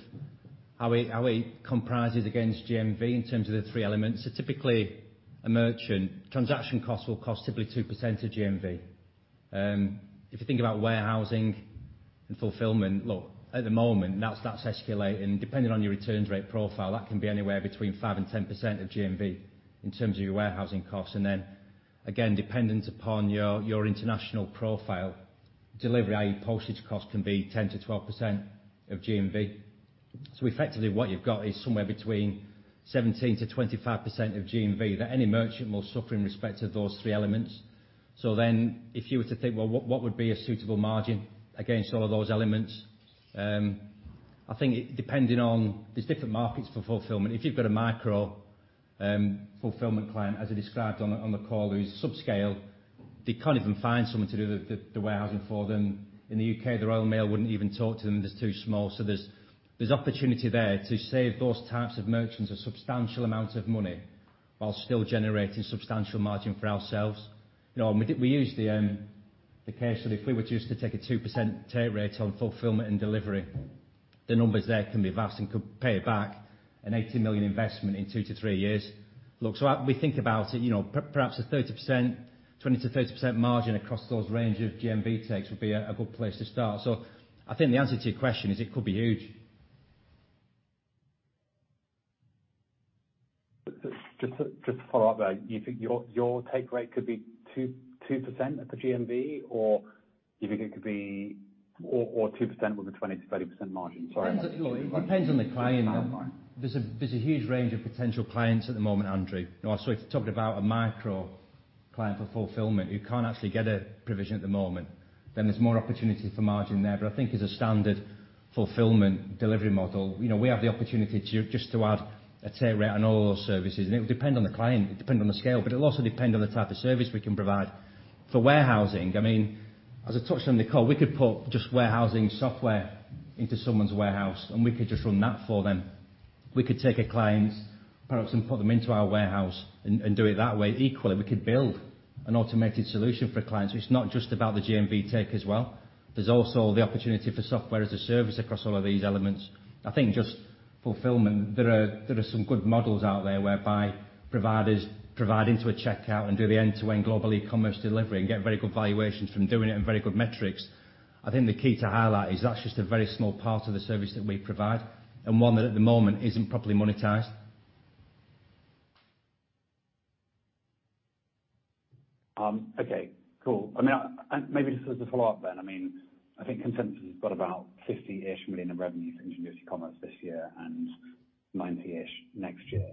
how it comprises against GMV in terms of the three elements. Typically, a merchant transaction cost will cost typically 2% of GMV. If you think about warehousing and fulfillment, look, at the moment, that's escalating. Depending on your returns rate profile, that can be anywhere between 5% and 10% of GMV in terms of your warehousing costs. Then, again, dependent upon your international profile, delivery, i.e. postage costs can be 10%-12% of GMV. Effectively what you've got is somewhere between 17%-25% of GMV that any merchant will suffer in respect of those three elements. If you were to think, well, what would be a suitable margin against all of those elements? There's different markets for fulfillment. If you've got a micro fulfillment client, as I described on the call, who's subscale, they can't even find someone to do the warehousing for them. In the U.K., the Royal Mail wouldn't even talk to them. They're too small. There's opportunity there to save those types of merchants a substantial amount of money while still generating substantial margin for ourselves. We use the case that if we were just to take a 2% take rate on fulfillment and delivery, the numbers there can be vast and could pay back a 18 million investment in 2-3 years. Look, we think about it, perhaps a 30%, 20%-30% margin across those range of GMV takes would be a good place to start. I think the answer to your question is it could be huge. Just to follow up there. You think your take rate could be 2% of the GMV, or you think it could be Or 2% with a 20%-30% margin? Sorry. It depends on the client. There's a huge range of potential clients at the moment, Andrew. If you're talking about a micro client for fulfillment who can't actually get a provision at the moment, then there's more opportunity for margin there. I think as a standard fulfillment delivery model, we have the opportunity just to add a take rate on all those services, and it would depend on the client. It would depend on the scale, but it'll also depend on the type of service we can provide. For warehousing, as I touched on the call, we could put just warehousing software Into someone's warehouse, we could just run that for them. We could take a client's products and put them into our warehouse and do it that way. Equally, we could build an automated solution for a client. It's not just about the GMV take as well. There's also the opportunity for software as a service across all of these elements. I think just fulfillment, there are some good models out there whereby providers provide into a checkout and do the end-to-end global e-commerce delivery and get very good valuations from doing it and very good metrics. I think the key to highlight is that's just a very small part of the service that we provide, and one that at the moment isn't properly monetized. Okay, cool. Maybe just as a follow-up then. I think consensus has got about 50 million of revenue from Ingenuity Commerce this year and 90 million next year.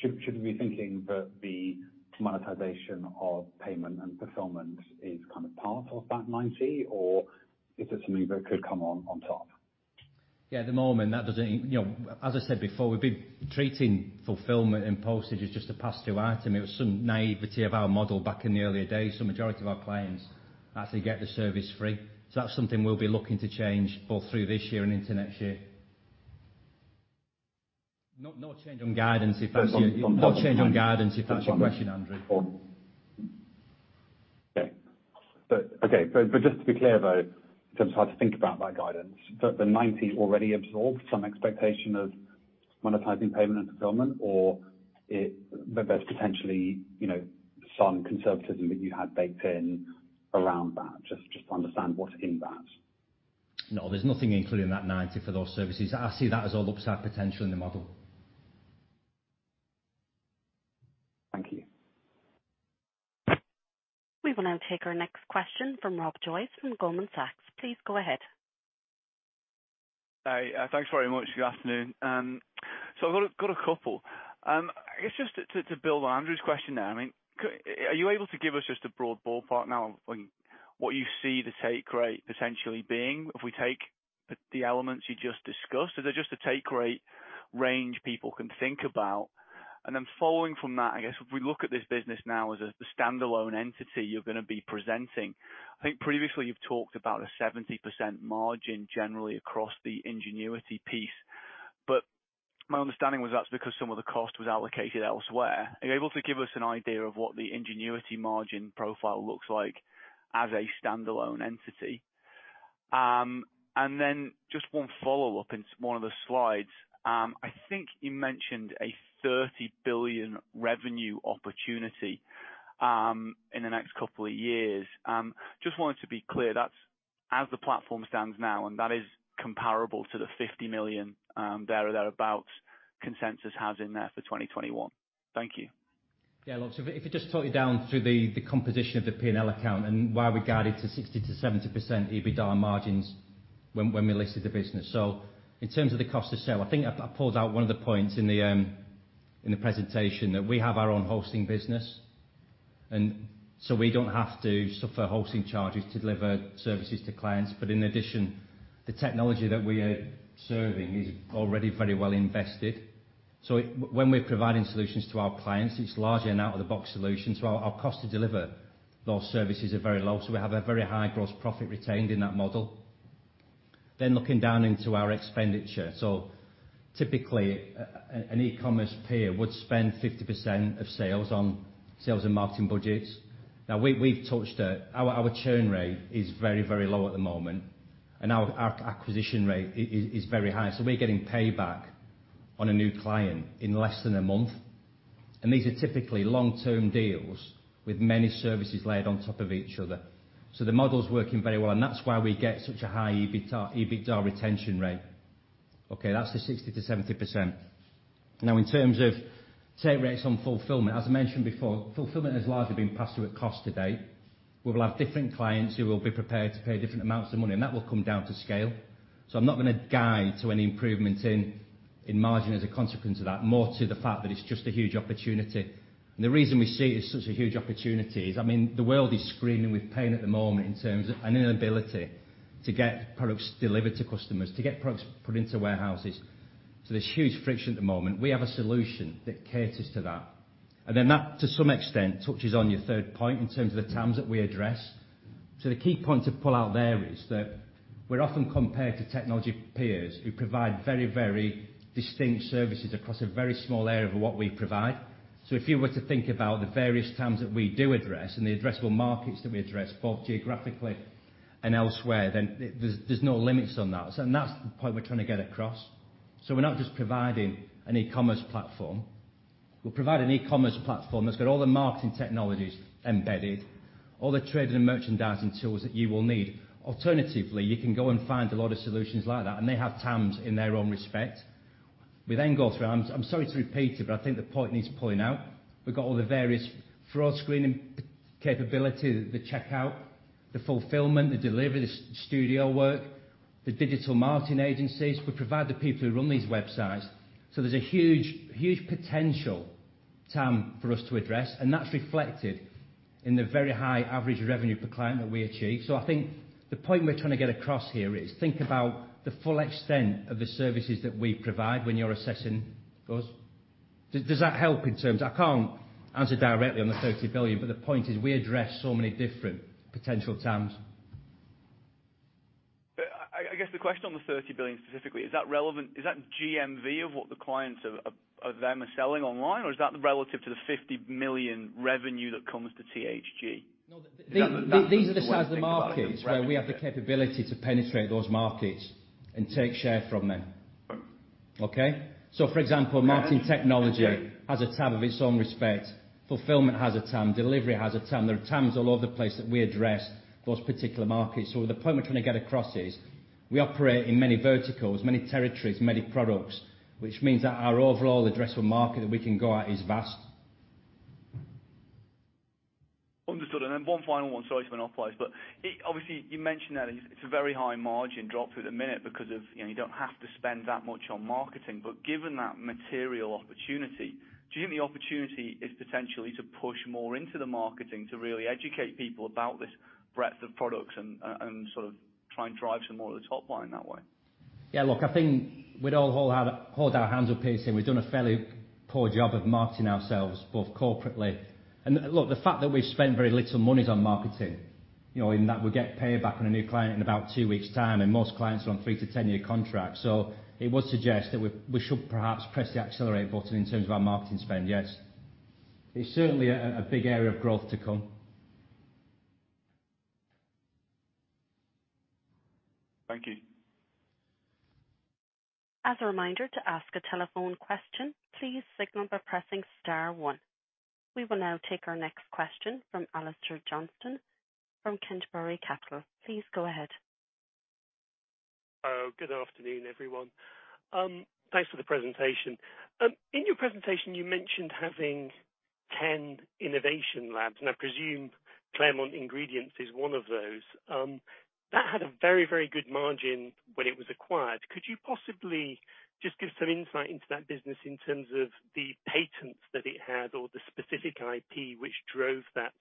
Should we be thinking that the monetization of payment and fulfillment is kind of part of that 90 million, or is it something that could come on top? Yeah, at the moment, as I said before, we've been treating fulfillment and postage as just a pass-through item. It was some naivety of our model back in the earlier days. The majority of our clients actually get the service free. That's something we'll be looking to change both through this year and into next year. No change on guidance. No change on guidance if that's your question, Andrew. Okay. Just to be clear, though, in terms of how to think about that guidance, the 90 already absorbed some expectation of monetizing payment and fulfillment, or there's potentially some conservatism that you had baked in around that? Just to understand what's in that? No, there's nothing included in that 90 for those services. I see that as all upside potential in the model. Thank you. We will now take our next question from Rob Joyce from Goldman Sachs. Please go ahead. Hi. Thanks very much. Good afternoon. I've got a couple. I guess just to build on Andrew's question there, are you able to give us just a broad ballpark now on what you see the take rate essentially being if we take the elements you just discussed? Is there just a take rate range people can think about? Following from that, I guess, if we look at this business now as a standalone entity you're going to be presenting, I think previously you've talked about a 70% margin generally across the Ingenuity piece. My understanding was that's because some of the cost was allocated elsewhere. Are you able to give us an idea of what the Ingenuity margin profile looks like as a standalone entity? Just one follow-up into one of the slides. I think you mentioned a 30 billion revenue opportunity in the next couple of years. Just wanted to be clear, that's as the platform stands now, and that is comparable to the 50 million, there or thereabouts, consensus has in there for 2021. Thank you. Yeah. If I just talk you down through the composition of the P&L account and why we guided to 60%-70% EBITDA margins when we listed the business. In terms of the cost of sale, I think I pulled out one of the points in the presentation that we have our own hosting business, we don't have to suffer hosting charges to deliver services to clients. In addition, the technology that we are serving is already very well invested. When we're providing solutions to our clients, it's largely an out-of-the-box solution. Our cost to deliver those services are very low. We have a very high gross profit retained in that model. Looking down into our expenditure. Typically, an e-commerce peer would spend 50% of sales on sales and marketing budgets. Now, we've touched it. Our churn rate is very, very low at the moment, and our acquisition rate is very high. We're getting payback on a new client in less than a month. These are typically long-term deals with many services layered on top of each other. The model is working very well, and that's why we get such a high EBITDA retention rate. Okay, that's the 60%-70%. Now, in terms of take rates on fulfillment, as I mentioned before, fulfillment has largely been passed through at cost to date. We will have different clients who will be prepared to pay different amounts of money, and that will come down to scale. I'm not going to guide to any improvement in margin as a consequence of that. More to the fact that it's just a huge opportunity. The reason we see it as such a huge opportunity is. The world is screaming with pain at the moment in terms of an inability to get products delivered to customers, to get products put into warehouses. There's huge friction at the moment. We have a solution that caters to that. That, to some extent, touches on your third point in terms of the TAMs that we address. The key point to pull out there is that we're often compared to technology peers who provide very, very distinct services across a very small area of what we provide. If you were to think about the various TAMs that we do address and the addressable markets that we address, both geographically and elsewhere, then there's no limits on that. That's the point we're trying to get across. We're not just providing an e-commerce platform. We're providing an e-commerce platform that's got all the marketing technologies embedded, all the trading and merchandising tools that you will need. Alternatively, you can go and find a lot of solutions like that, and they have TAMs in their own respect. We go through, I'm sorry to repeat it, but I think the point needs pulling out. We've got all the various fraud screening capability, the checkout, the fulfillment, the delivery, the studio work, the digital marketing agencies. We provide the people who run these websites. There's a huge potential TAM for us to address, and that's reflected in the very high average revenue per client that we achieve. I think the point we're trying to get across here is think about the full extent of the services that we provide when you're assessing us. Does that help in terms? I can't answer directly on the 30 billion, but the point is we address so many different potential TAMs. I guess the question on the 30 billion specifically, is that relevant? Is that GMV of what the clients of them are selling online, or is that relative to the 50 million revenue that comes to THG? No. These are the size of the markets where we have the capability to penetrate those markets and take share from them. Okay? For example, marketing technology has a TAM of its own respect. Fulfillment has a TAM. Delivery has a TAM. There are TAMs all over the place that we address those particular markets. The point we're trying to get across is we operate in many verticals, many territories, many products, which means that our overall addressable market that we can go at is vast. Understood. One final one, sorry to run off, boys. Obviously, you mentioned that it's a very high margin drop at the minute because of, you don't have to spend that much on marketing. Given that material opportunity, do you think the opportunity is potentially to push more into the marketing to really educate people about this breadth of products and sort of try and drive some more of the top line that way? Yeah, look, I think we'd all hold our hands up here saying we've done a fairly poor job of marketing ourselves, both corporately. Look, the fact that we've spent very little moneys on marketing, in that we get paid back on a new client in about two weeks' time, and most clients are on three to 10-year contracts. It would suggest that we should perhaps press the accelerate button in terms of our marketing spend, yes. It's certainly a big area of growth to come. Thank you. As a reminder, to ask a telephone question, please signal by pressing star 1. We will now take our next question from Alastair Johnston from Kintbury Capital. Please go ahead. Hello. Good afternoon, everyone. Thanks for the presentation. In your presentation, you mentioned having 10 innovation labs, and I presume Claremont Ingredients is one of those. That had a very good margin when it was acquired. Could you possibly just give some insight into that business in terms of the patents that it had or the specific IP which drove that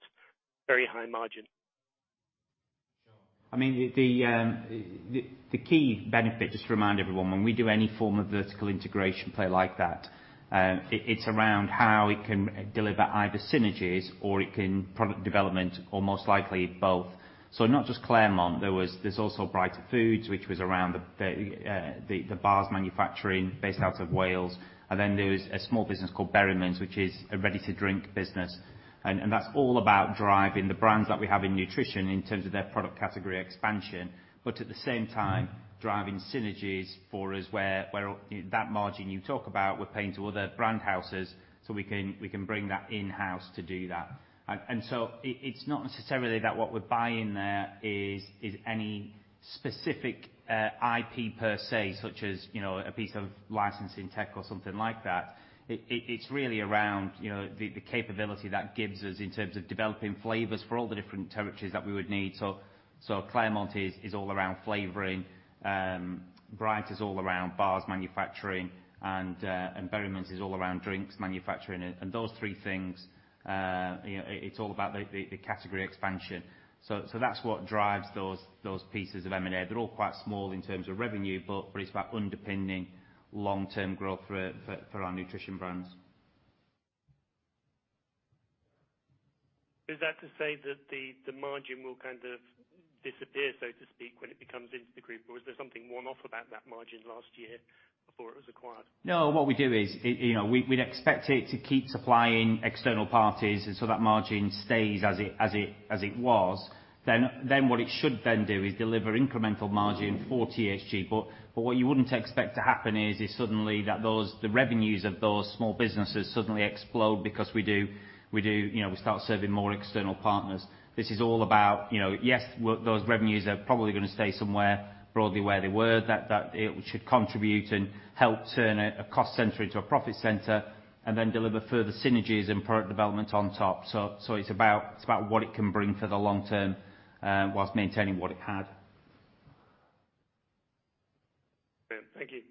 very high margin? I mean, the key benefit, just to remind everyone, when we do any form of vertical integration play like that, it's around how it can deliver either synergies or it can product development or most likely both. Not just Claremont, there's also Brighter Foods, which was around the bars manufacturing based out of Wales. There was a small business called Berrymans, which is a ready-to-drink business, and that's all about driving the brands that we have in nutrition in terms of their product category expansion, but at the same time, driving synergies for us where that margin you talk about, we're paying to other brand houses so we can bring that in-house to do that. It's not necessarily that what we're buying there is any specific IP per se, such as a piece of licensing tech or something like that. It's really around the capability that gives us in terms of developing flavors for all the different territories that we would need. Claremont is all around flavoring. Bright is all around bars manufacturing, and Berrymans is all around drinks manufacturing. Those three things, it's all about the category expansion. That's what drives those pieces of M&A. They're all quite small in terms of revenue, but it's about underpinning long-term growth for our nutrition brands. Is that to say that the margin will kind of disappear, so to speak, when it becomes into the group? Was there something one-off about that margin last year before it was acquired? What we do is, we'd expect it to keep supplying external parties, and so that margin stays as it was. What it should then do is deliver incremental margin for THG. What you wouldn't expect to happen is suddenly the revenues of those small businesses suddenly explode because we start serving more external partners. This is all about, yes, those revenues are probably going to stay somewhere broadly where they were, that it should contribute and help turn a cost center into a profit center and then deliver further synergies and product development on top. It's about what it can bring for the long term, whilst maintaining what it had. Thank you.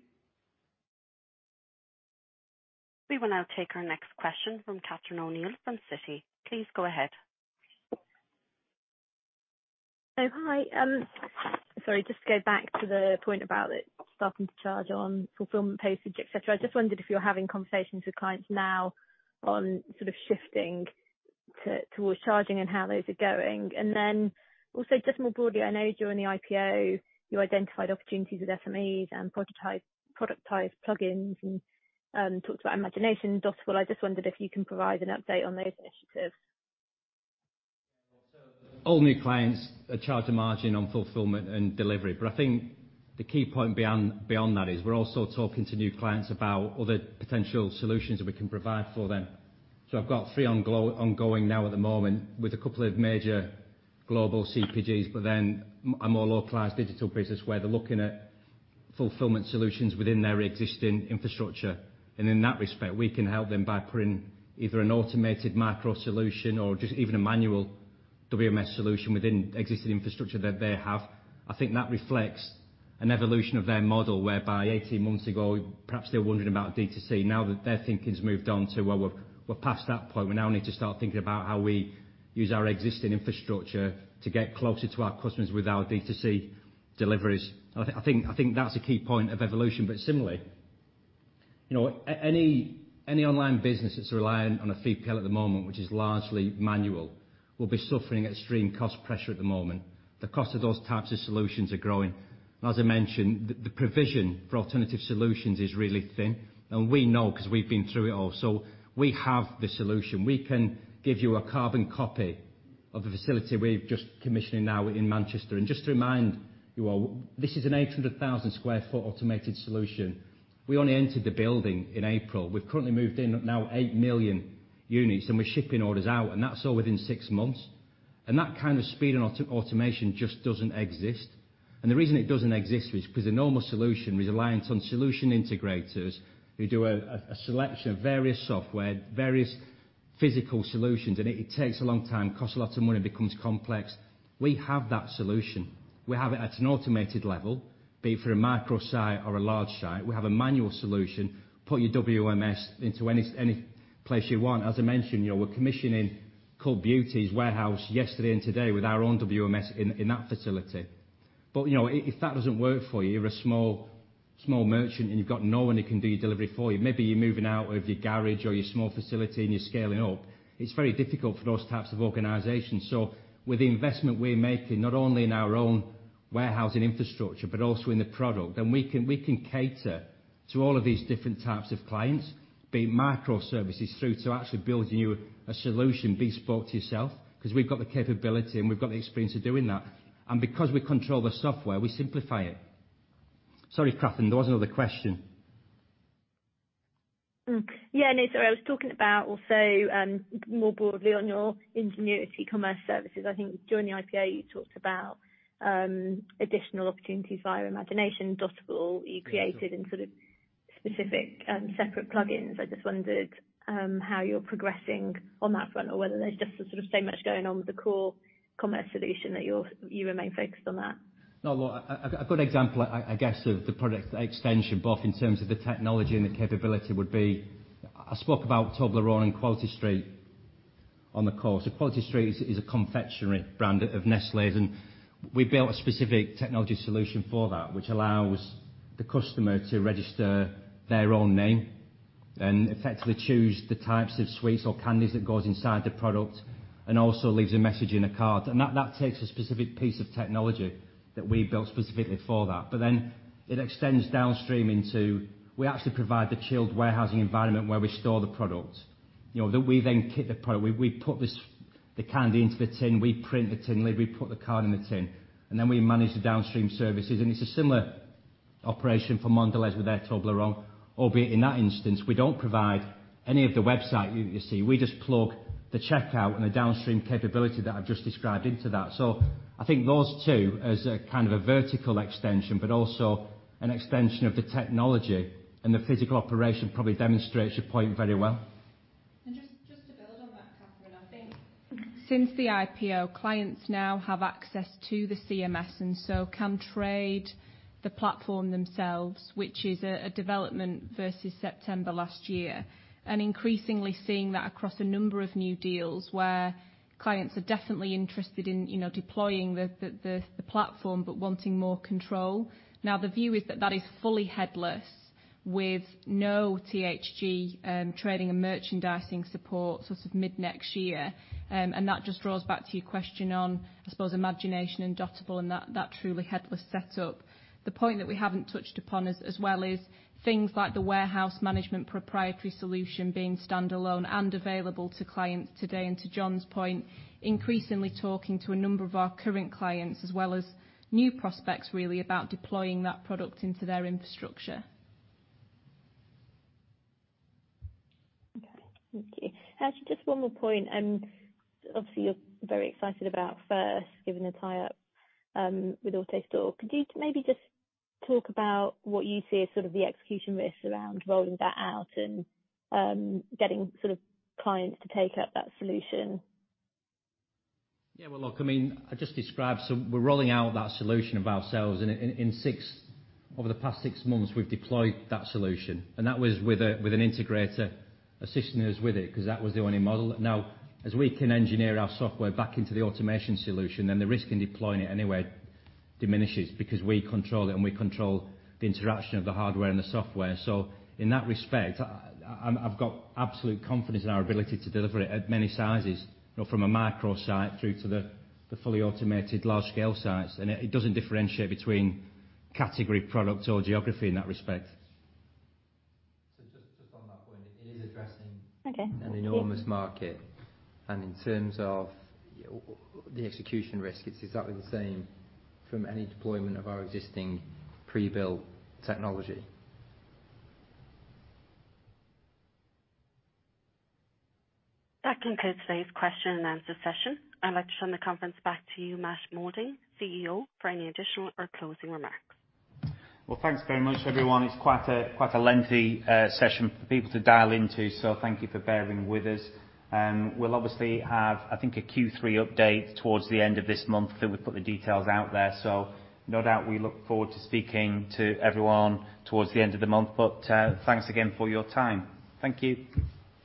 We will now take our next question from Catherine O'Neill from Citi. Please go ahead. Hi. Sorry, just to go back to the point about starting to charge on fulfillment, postage, et cetera. I just wondered if you're having conversations with clients now on sort of shifting towards charging and how those are going. Also just more broadly, I know during the IPO, you identified opportunities with SMEs and prototype plugins and talked about Imagination and uncertain. I just wondered if you can provide an update on those initiatives. All new clients are charged a margin on fulfillment and delivery. I think the key point beyond that is we're also talking to new clients about other potential solutions that we can provide for them. I've got three ongoing now at the moment with a couple of major global CPGs, but then a more localized digital business where they're looking at fulfillment solutions within their existing infrastructure. In that respect, we can help them by putting either an automated micro solution or just even a manual WMS solution within existing infrastructure that they have. I think that reflects an evolution of their model, whereby 18 months ago, perhaps they were wondering about D2C. Now that their thinking's moved on to, well, we're past that point. We now need to start thinking about how we use our existing infrastructure to get closer to our customers with our D2C offering. Deliveries. I think that's a key point of evolution. Similarly, any online business that's reliant on a 3PL at the moment, which is largely manual, will be suffering extreme cost pressure at the moment. The cost of those types of solutions are growing. As I mentioned, the provision for alternative solutions is really thin, and we know because we've been through it all. We have the solution. We can give you a carbon copy of the facility we're just commissioning now in Manchester. Just to remind you all, this is an 800,000 sq ft automated solution. We only entered the building in April. We've currently moved in now 8 million units, and we're shipping orders out, and that's all within 6 months. That kind of speed and automation just doesn't exist. The reason it doesn't exist is because a normal solution is reliant on solution integrators who do a selection of various software, various physical solutions, and it takes a long time, costs a lot of money, becomes complex. We have that solution. We have it at an automated level, be it for a micro site or a large site. We have a manual solution. Put your WMS into any place you want. As I mentioned, we're commissioning Cult Beauty's warehouse yesterday and today with our own WMS in that facility. If that doesn't work for you're a small merchant and you've got no one who can do your delivery for you. Maybe you're moving out of your garage or your small facility and you're scaling up. It's very difficult for those types of organizations. With the investment we're making, not only in our own warehousing infrastructure, but also in the product, then we can cater to all of these different types of clients, be it microservices through to actually building you a solution, be it bespoke to yourself, because we've got the capability and we've got the experience of doing that. Because we control the software, we simplify it. Sorry, Catherine, there was another question. Yeah, no, sorry. I was talking about also more broadly on your Ingenuity Commerce services. I think during the IPO you talked about additional opportunities via Imagination, Uncertain you created in sort of specific separate plugins. I just wondered how you are progressing on that front or whether there is just sort of so much going on with the core commerce solution that you remain focused on that. No. A good example, I guess, of the product extension, both in terms of the technology and the capability would be, I spoke about Toblerone and Quality Street on the call. Quality Street is a confectionery brand of Nestlé's. We built a specific technology solution for that which allows the customer to register their own name and effectively choose the types of sweets or candies that goes inside the product and also leaves a message in a card. That takes a specific piece of technology that we built specifically for that. It extends downstream into. We actually provide the chilled warehousing environment where we store the product, that we then kit the product. We put the candy into the tin, we print the tin lid, we put the card in the tin. Then we manage the downstream services. It's a similar operation for Mondelez with their Toblerone, albeit in that instance, we don't provide any of the website you see. We just plug the checkout and the downstream capability that I've just described into that. I think those two as a kind of a vertical extension, but also an extension of the technology and the physical operation probably demonstrates your point very well. Since the IPO, clients now have access to the CMS and so can trade the platform themselves, which is a development versus September last year. Increasingly seeing that across a number of new deals where clients are definitely interested in deploying the platform, but wanting more control. Now the view is that that is fully headless with no THG trading and merchandising support sort of mid-next year. That just draws back to your question on, I suppose, Imagination and Dotable and that truly headless setup. The point that we haven't touched upon as well is things like the warehouse management proprietary solution being standalone and available to clients today. To John's point, increasingly talking to a number of our current clients as well as new prospects really about deploying that product into their infrastructure. Okay. Actually, just one more point. Obviously you're very excited about FIRST given the tie up with AutoStore. Could you maybe just talk about what you see as sort of the execution risks around rolling that out and getting sort of clients to take up that solution? Well, look, I mean, I just described, we're rolling out that solution ourselves. Over the past six months we've deployed that solution, that was with an integrator assisting us with it because that was the only model. Now, as we can engineer our software back into the automation solution, the risk in deploying it anywhere diminishes because we control it, we control the interaction of the hardware and the software. In that respect, I've got absolute confidence in our ability to deliver it at many sizes, from a microsite through to the fully automated large-scale sites. It doesn't differentiate between category, product, or geography in that respect. Just on that point. Okay An enormous market. In terms of the execution risk, it's exactly the same from any deployment of our existing pre-built technology. That concludes today's question and answer session. I'd like to turn the conference back to you, Matt Moulding, CEO, for any additional or closing remarks. Well, thanks very much, everyone. It's quite a lengthy session for people to dial into. Thank you for bearing with us. We'll obviously have, I think, a Q3 update towards the end of this month that we'll put the details out there. No doubt we look forward to speaking to everyone towards the end of the month. Thanks again for your time. Thank you.